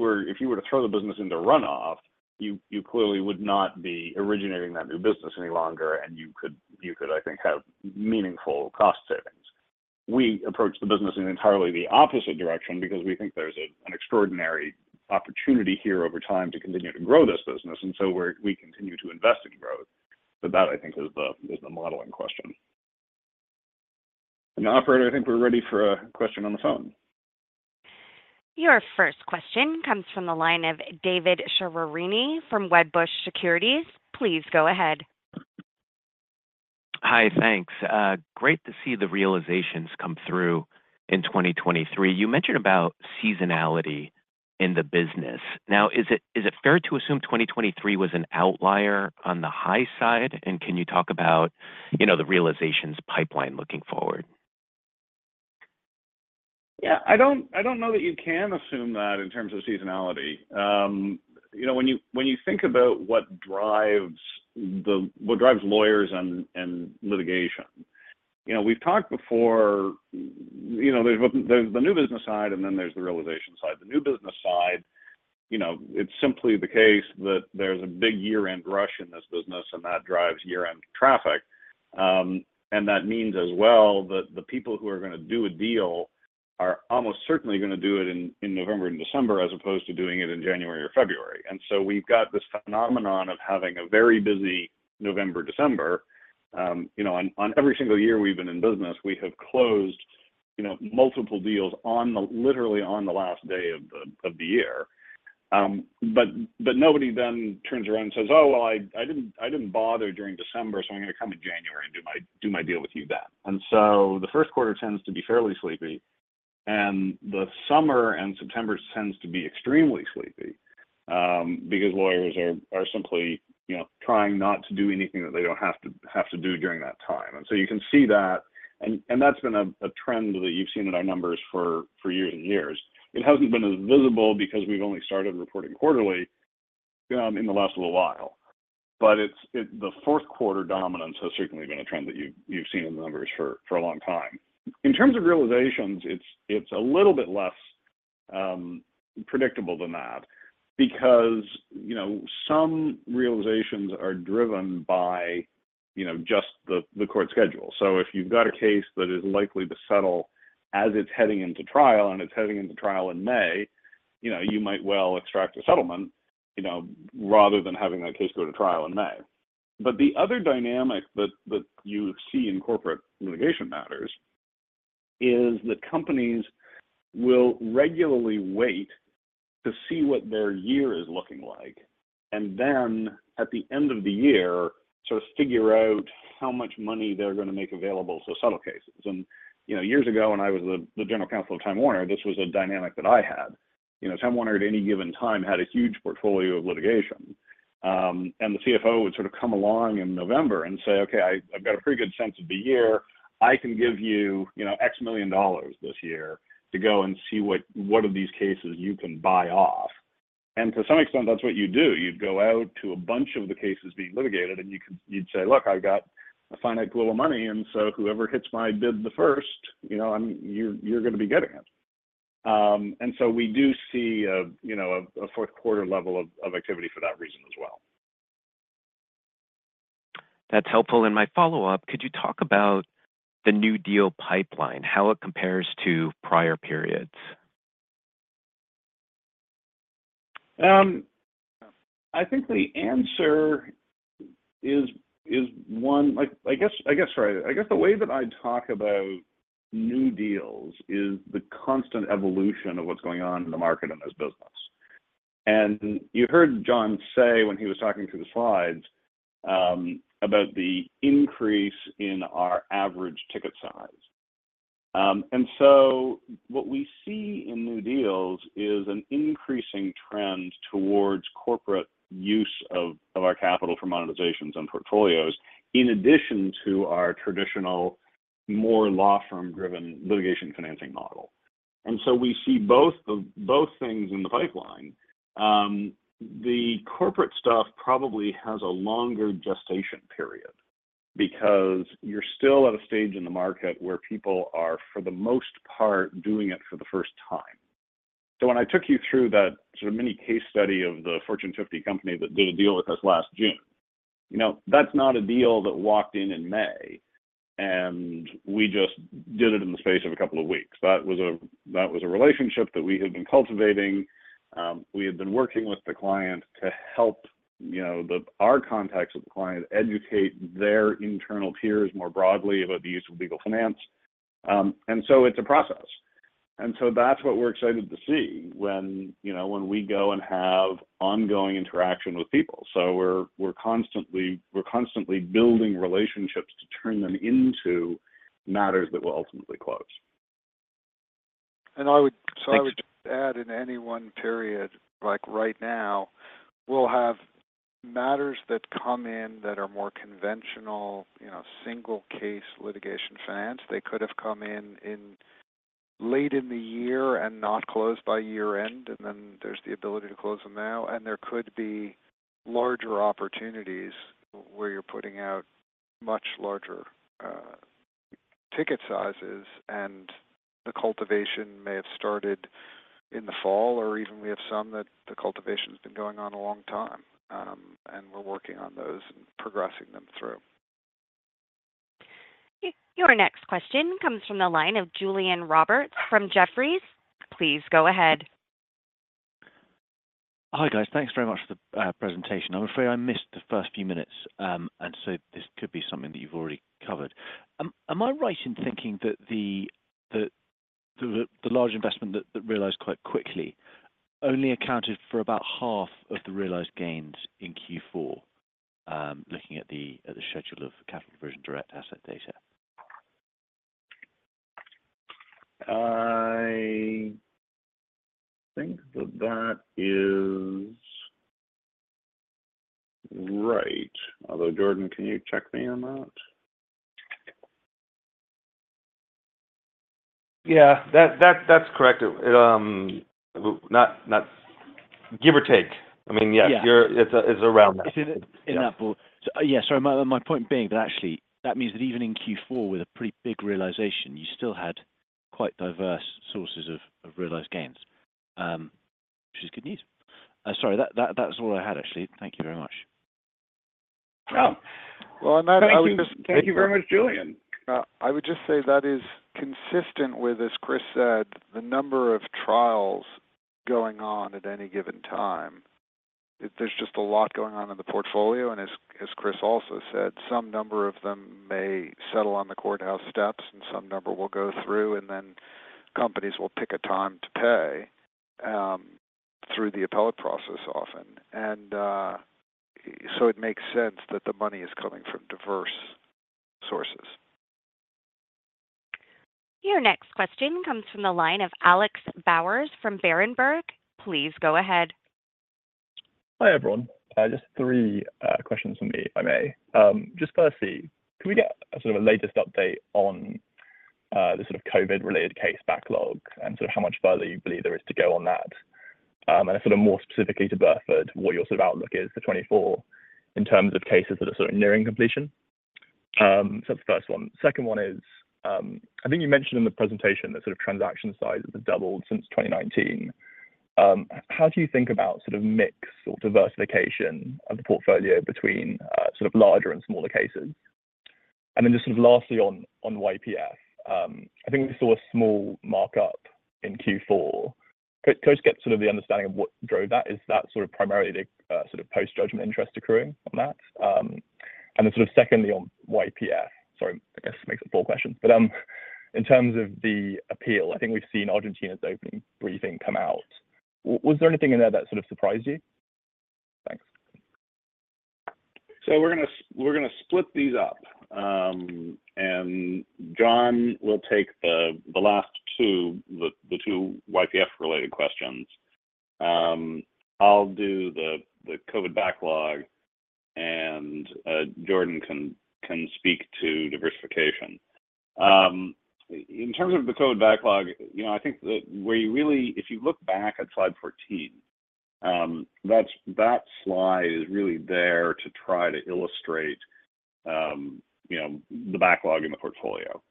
were to throw the business into runoff, you clearly would not be originating that new business any longer. And you could, I think, have meaningful cost savings. We approach the business in entirely the opposite direction because we think there's an extraordinary opportunity here over time to continue to grow this business. And so we continue to invest in growth. But that, I think, is the modeling question. Operator, I think we're ready for a question on the phone. Your first question comes from the line of David Chiaverini from Wedbush Securities. Please go ahead. Hi. Thanks. Great to see the realizations come through in 2023. You mentioned about seasonality in the business. Now, is it fair to assume 2023 was an outlier on the high side? And can you talk about, you know, the realizations pipeline looking forward? Yeah. I don't know that you can assume that in terms of seasonality. You know, when you think about what drives lawyers and litigation, you know, we've talked before. You know, there's the new business side. And then there's the realization side. The new business side, you know, it's simply the case that there's a big year-end rush in this business. And that drives year-end traffic. And that means as well that the people who are gonna do a deal are almost certainly gonna do it in November and December as opposed to doing it in January or February. And so we've got this phenomenon of having a very busy November, December. You know, on every single year we've been in business, we have closed, you know, multiple deals on the, literally, on the last day of the year. But nobody then turns around and says, "Oh, well, I didn't bother during December. So I'm gonna come in January and do my deal with you then." And so the first quarter tends to be fairly sleepy. And the summer and September tends to be extremely sleepy, because lawyers are simply, you know, trying not to do anything that they don't have to do during that time. And so you can see that. And that's been a trend that you've seen in our numbers for years and years. It hasn't been as visible because we've only started reporting quarterly, in the last little while. But it's the fourth quarter dominance has certainly been a trend that you've seen in the numbers for a long time. In terms of realizations, it's a little bit less predictable than that because, you know, some realizations are driven by, you know, just the court schedule. So if you've got a case that is likely to settle as it's heading into trial and it's heading into trial in May, you know, you might well extract a settlement, you know, rather than having that case go to trial in May. But the other dynamic that you see in corporate litigation matters is that companies will regularly wait to see what their year is looking like and then, at the end of the year, sort of figure out how much money they're gonna make available to settle cases. And, you know, years ago, when I was the general counsel of Time Warner, this was a dynamic that I had. You know, Time Warner at any given time had a huge portfolio of litigation. And the CFO would sort of come along in November and say, "Okay. I've got a pretty good sense of the year. I can give you, you know, $X million this year to go and see what of these cases you can buy off." And to some extent, that's what you do. You'd go out to a bunch of the cases being litigated. And you could say, "Look. I've got a finite pool of money. So whoever hits my bid the first, you know, I'm you're, you're gonna be getting it." So we do see, you know, a fourth quarter level of activity for that reason as well. That's helpful. My follow-up, could you talk about the new deal pipeline, how it compares to prior periods? I think the answer is one. Like, I guess, sorry. I guess the way that I talk about new deals is the constant evolution of what's going on in the market in this business. And you heard Jon say when he was talking through the slides, about the increase in our average ticket size. So what we see in new deals is an increasing trend towards corporate use of our capital for monetizations and portfolios in addition to our traditional, more law firm-driven litigation financing model. And so we see both of both things in the pipeline. The corporate stuff probably has a longer gestation period because you're still at a stage in the market where people are, for the most part, doing it for the first time. So when I took you through that sort of mini case study of the Fortune 50 company that did a deal with us last June, you know, that's not a deal that walked in in May. We just did it in the space of a couple of weeks. That was a—that was a relationship that we had been cultivating. We had been working with the client to help, you know, the our contacts with the client educate their internal peers more broadly about the use of legal finance. So it's a process. That's what we're excited to see when, you know, when we go and have ongoing interaction with people. So we're, we're constantly, we're constantly building relationships to turn them into matters that will ultimately close. And I would just add, in any one period, like right now, we'll have matters that come in that are more conventional, you know, single-case litigation finance. They could have come in late in the year and not closed by year-end. And then there's the ability to close them now. And there could be larger opportunities where you're putting out much larger ticket sizes. And the cultivation may have started in the fall. Or even we have some that the cultivation's been going on a long time. And we're working on those and progressing them through. Your next question comes from the line of Julian Roberts from Jefferies. Please go ahead. Hi, guys. Thanks very much for the presentation. I'm afraid I missed the first few minutes, and so this could be something that you've already covered. Am I right in thinking that the large investment that realized quite quickly only accounted for about half of the realized gains in Q4, looking at the schedule of capital realization direct asset data? I think that that is right. Although, Jordan, can you check me on that? Yeah. That's correct. It is not give or take. I mean, yes. Yeah. It's around that. Is it in that bull? So yeah. Sorry. My point being that, actually, that means that even in Q4, with a pretty big realization, you still had quite diverse sources of realized gains, which is good news. Sorry. That's all I had, actually. Thank you very much. Oh. Well, and that I would just. Thank you. Thank you very much, Julian. I would just say that is consistent with, as Chris said, the number of trials going on at any given time. There's just a lot going on in the portfolio. As, as Chris also said, some number of them may settle on the courthouse steps. Some number will go through. Then companies will pick a time to pay, through the appellate process often. So it makes sense that the money is coming from diverse sources. Your next question comes from the line of Alex Bowers from Berenberg. Please go ahead. Hi, everyone. Just three questions from me, if I may. Just firstly, can we get a sort of a latest update on the sort of COVID-related case backlog and sort of how much further you believe there is to go on that, and sort of more specifically to Burford, what your sort of outlook is for 2024 in terms of cases that are sort of nearing completion? That's the first one. Second one is, I think you mentioned in the presentation that sort of transaction size has doubled since 2019. How do you think about sort of mix or diversification of the portfolio between sort of larger and smaller cases? Then just sort of lastly on YPF, I think we saw a small markup in Q4. Could I just get sort of the understanding of what drove that? Is that sort of primarily the sort of post-judgment interest accruing on that? And then sort of secondly on YPF, sorry. I guess makes it four questions. But in terms of the appeal, I think we've seen Argentina's opening briefing come out. Was there anything in there that sort of surprised you? Thanks. So we're gonna split these up. And Jon will take the last two, the two YPF-related questions. I'll do the COVID backlog. And Jordan can speak to diversification. In terms of the COVID backlog, you know, I think that where you really if you look back at slide 14, that's, that slide is really there to try to illustrate, you know, the backlog in the portfolio.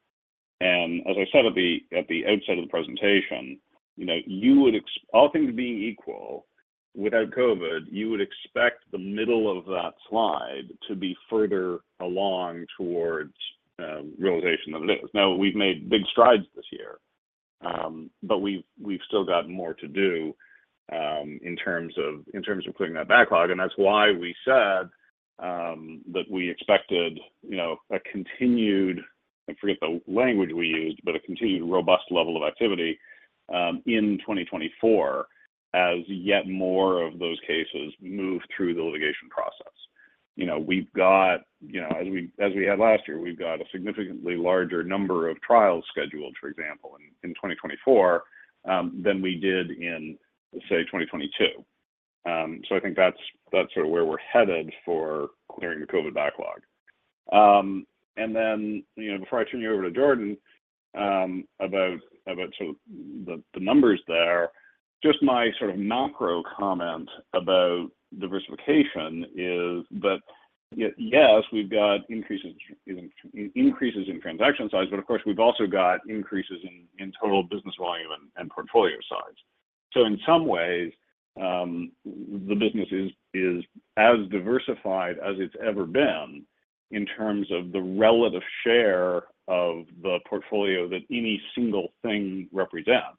And as I said at the outset of the presentation, you know, you would expect all things being equal, without COVID, you would expect the middle of that slide to be further along towards realization than it is. Now, we've made big strides this year, but we've still got more to do in terms of clearing that backlog. That's why we said that we expected, you know, a continued (I forget the language we used, but) a continued robust level of activity in 2024 as yet more of those cases move through the litigation process. You know, we've got, you know, as we had last year, we've got a significantly larger number of trials scheduled, for example, in 2024, than we did in, say, 2022. So I think that's sort of where we're headed for clearing the COVID backlog. Then, you know, before I turn you over to Jordan about sort of the numbers there, just my sort of macro comment about diversification is that yes, we've got increases in transaction size. But, of course, we've also got increases in total business volume and portfolio size. So in some ways, the business is as diversified as it's ever been in terms of the relative share of the portfolio that any single thing represents.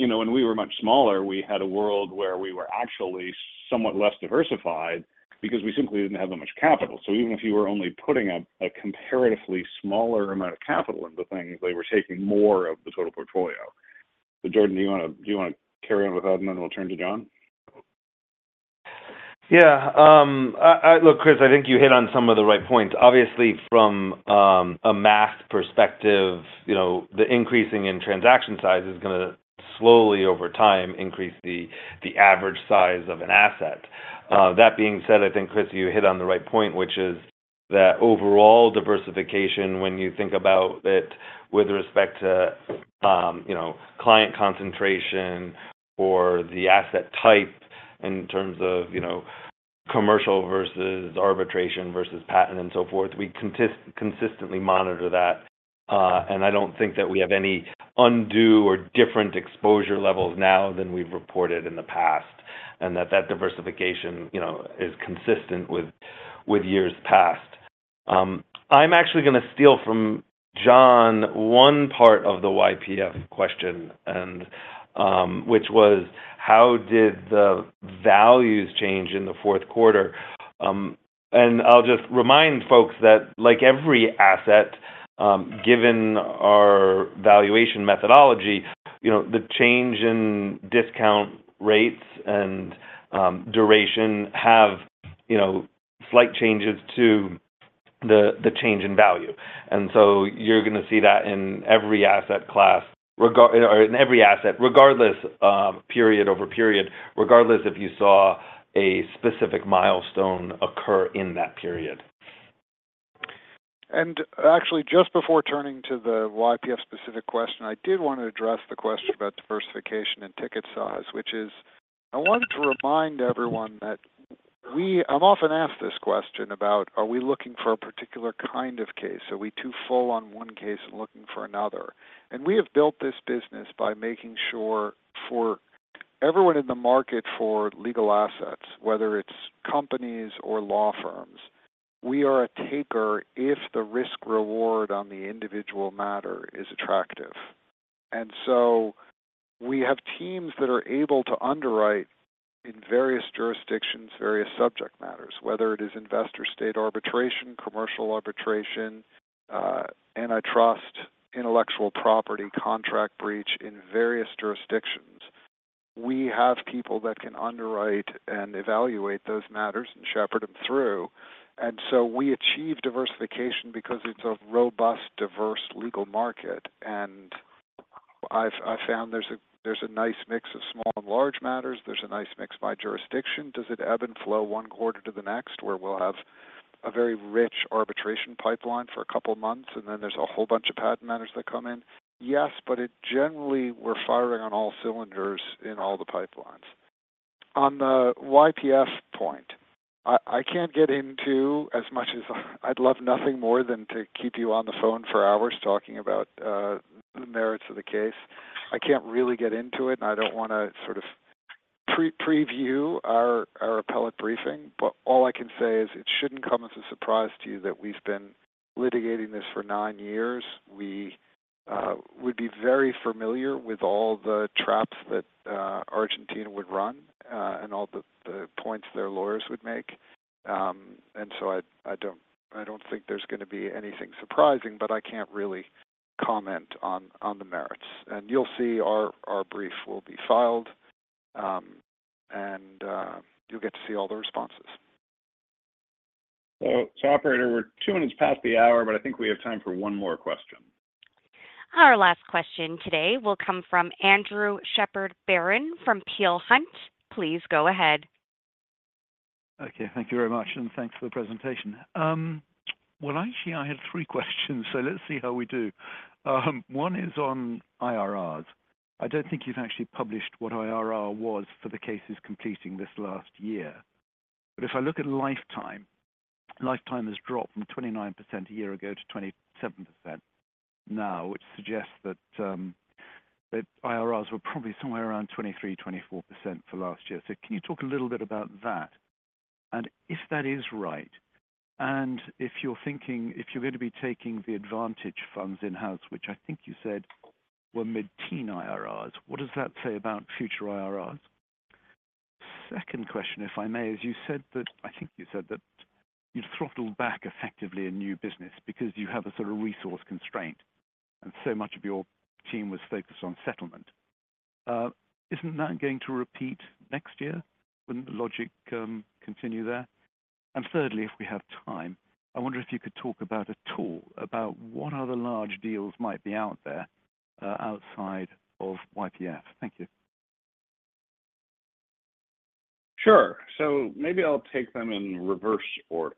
You know, when we were much smaller, we had a world where we were actually somewhat less diversified because we simply didn't have that much capital. So even if you were only putting a comparatively smaller amount of capital into things, they were taking more of the total portfolio. So, Jordan, do you wanna carry on with that? And then we'll turn to Jon. Yeah. I look, Chris, I think you hit on some of the right points. Obviously, from a math perspective, you know, the increasing in transaction size is gonna, slowly over time, increase the average size of an asset. That being said, I think, Chris, you hit on the right point, which is that overall diversification, when you think about it with respect to, you know, client concentration or the asset type in terms of, you know, commercial versus arbitration versus patent and so forth, we continuously consistently monitor that. And I don't think that we have any undue or different exposure levels now than we've reported in the past and that that diversification, you know, is consistent with years past. I'm actually gonna steal from Jon one part of the YPF question, and which was, how did the values change in the fourth quarter? I'll just remind folks that, like every asset, given our valuation methodology, you know, the change in discount rates and duration have, you know, slight changes to the change in value. And so you're gonna see that in every asset class regardless or in every asset, regardless, period over period, regardless if you saw a specific milestone occur in that period. Actually, just before turning to the YPF-specific question, I did wanna address the question about diversification in ticket size, which is, I wanted to remind everyone that we, I'm often asked this question about, are we looking for a particular kind of case? Are we too full on one case and looking for another? We have built this business by making sure for everyone in the market for legal assets, whether it's companies or law firms, we are a taker if the risk-reward on the individual matter is attractive. So we have teams that are able to underwrite in various jurisdictions, various subject matters, whether it is investor-state arbitration, commercial arbitration, antitrust, intellectual property, contract breach in various jurisdictions. We have people that can underwrite and evaluate those matters and shepherd them through. So we achieve diversification because it's a robust, diverse legal market. I've found there's a nice mix of small and large matters. There's a nice mix by jurisdiction. Does it ebb and flow one quarter to the next where we'll have a very rich arbitration pipeline for a couple of months? And then there's a whole bunch of patent matters that come in? Yes. But it generally, we're firing on all cylinders in all the pipelines. On the YPF point, I can't get into as much as I'd love nothing more than to keep you on the phone for hours talking about the merits of the case. I can't really get into it. And I don't wanna sort of pre-preview our appellate briefing. But all I can say is it shouldn't come as a surprise to you that we've been litigating this for nine years. We would be very familiar with all the traps that Argentina would run, and all the points their lawyers would make. And so I don't think there's gonna be anything surprising. But I can't really comment on the merits. And you'll see our brief will be filed, and you'll get to see all the responses. So, operator, we're two minutes past the hour. But I think we have time for one more question. Our last question today will come from Andrew Shepherd-Barron from Peel Hunt. Please go ahead. Okay. Thank you very much. And thanks for the presentation. Well, actually, I had three questions. So let's see how we do. One is on IRR. I don't think you've actually published what IRR was for the cases completing this last year. But if I look at lifetime, lifetime has dropped from 29% a year ago to 27% now, which suggests that, that IRR were probably somewhere around 23%-24% for last year. So can you talk a little bit about that? And if that is right, and if you're thinking if you're gonna be taking the Advantage Funds in-house, which I think you said were mid-teen IRR, what does that say about future IRR? Second question, if I may, is you said that I think you said that you've throttled back, effectively, a new business because you have a sort of resource constraint. So much of your team was focused on settlement. Isn't that going to repeat next year? Wouldn't the logic continue there? And thirdly, if we have time, I wonder if you could talk about a tool about what other large deals might be out there, outside of YPF. Thank you. Sure. So maybe I'll take them in reverse order.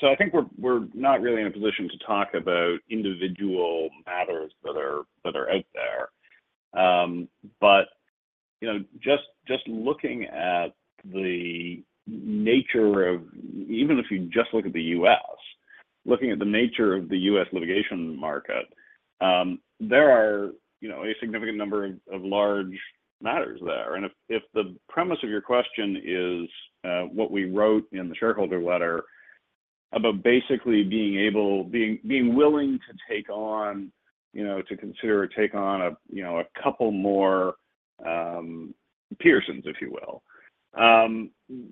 So I think we're not really in a position to talk about individual matters that are out there. But, you know, just looking at the nature of even if you just look at the U.S., looking at the nature of the U.S. litigation market, there are, you know, a significant number of large matters there. And if the premise of your question is what we wrote in the shareholder letter about basically being able, being willing to take on, you know, to consider taking on a, you know, a couple more Pearson, if you will,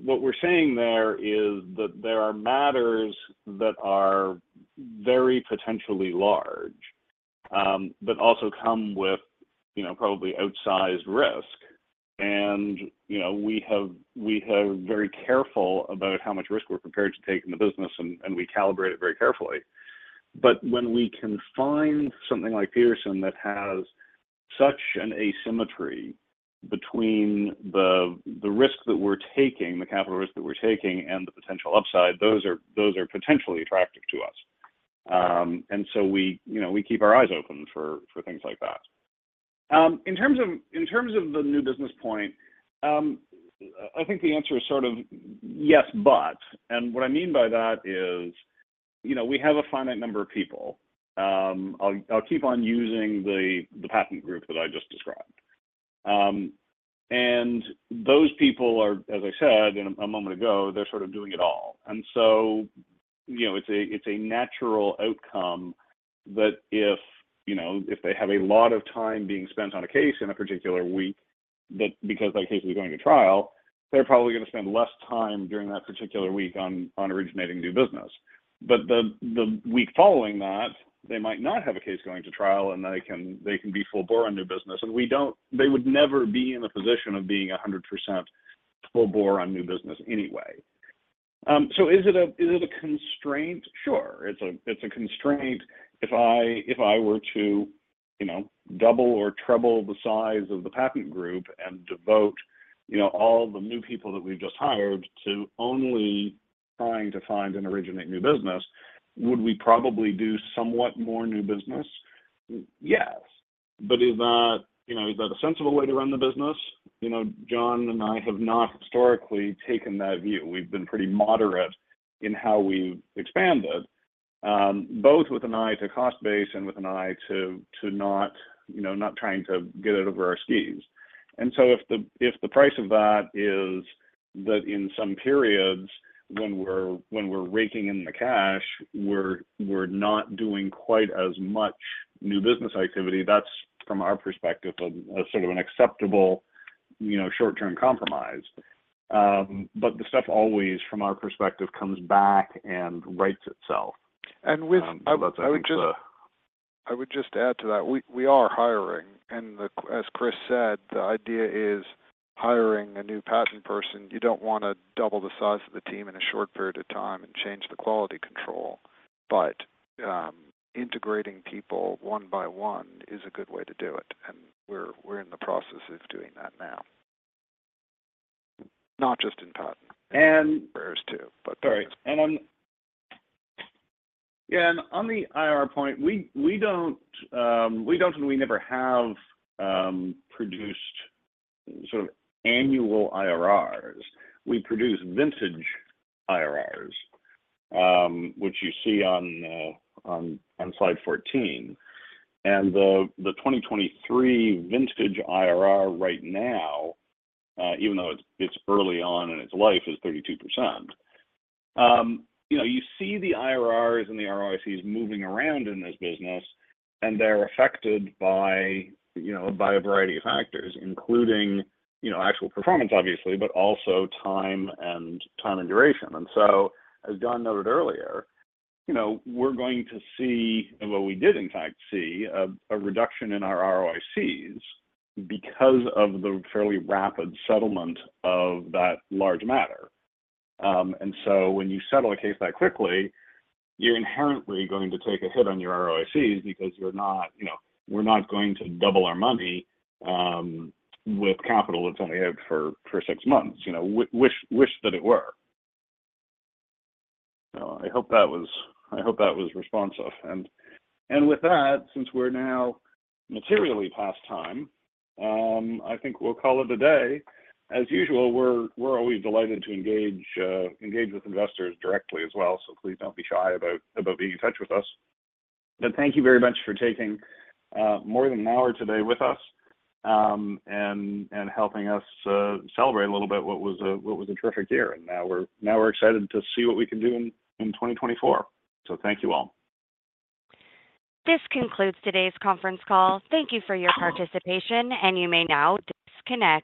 what we're saying there is that there are matters that are very potentially large, but also come with, you know, probably outsized risk. You know, we have very careful about how much risk we're prepared to take in the business. And we calibrate it very carefully. But when we can find something like Pearson that has such an asymmetry between the risk that we're taking, the capital risk that we're taking, and the potential upside, those are potentially attractive to us. And so we, you know, we keep our eyes open for things like that. In terms of the new business point, I think the answer is sort of yes, but. And what I mean by that is, you know, we have a finite number of people. I'll keep on using the patent group that I just described. And those people are, as I said a moment ago, they're sort of doing it all. And so, you know, it's a natural outcome that if, you know, if they have a lot of time being spent on a case in a particular week that because that case is going to trial, they're probably gonna spend less time during that particular week on originating new business. But the week following that, they might not have a case going to trial. And they can be full bore on new business. And we don't they would never be in a position of being 100% full bore on new business anyway. So is it a constraint? Sure. It's a constraint. If I were to, you know, double or treble the size of the patent group and devote, you know, all the new people that we've just hired to only trying to find and originate new business, would we probably do somewhat more new business? Yes. But is that, you know, a sensible way to run the business? You know, Jon and I have not historically taken that view. We've been pretty moderate in how we've expanded, both with an eye to cost base and with an eye to not, you know, trying to get it over our skis. And so if the price of that is that in some periods, when we're raking in the cash, we're not doing quite as much new business activity, that's, from our perspective, a sort of an acceptable, you know, short-term compromise. but the stuff always, from our perspective, comes back and writes itself. And I would just add to that. We are hiring. And as Chris said, the idea is hiring a new patent person. You don't wanna double the size of the team in a short period of time and change the quality control. But integrating people one by one is a good way to do it. And we're in the process of doing that now, not just in patent and in repairs too. But All right. And on the IRR point, we don't and we never have produced sort of annual IRR. We produce vintage IRR, which you see on slide 14. And the 2023 vintage IRR right now, even though it's early on in its life, is 32%. You know, you see the IRRs and the ROICs moving around in this business. And they're affected by a variety of factors, including actual performance, obviously, but also time and duration. And so, as Jon noted earlier, you know, we're going to see and what we did, in fact, see a reduction in our ROICs because of the fairly rapid settlement of that large matter. So when you settle a case that quickly, you're inherently going to take a hit on your ROICs because, you know, we're not going to double our money with capital that's only out for six months. You know, wish that it were. So I hope that was responsive. And with that, since we're now materially past time, I think we'll call it a day. As usual, we're always delighted to engage with investors directly as well. So please don't be shy about being in touch with us. But thank you very much for taking more than an hour today with us and helping us celebrate a little bit what was a terrific year. And now we're excited to see what we can do in 2024. So thank you all. This concludes today's conference call. Thank you for your participation. You may now disconnect.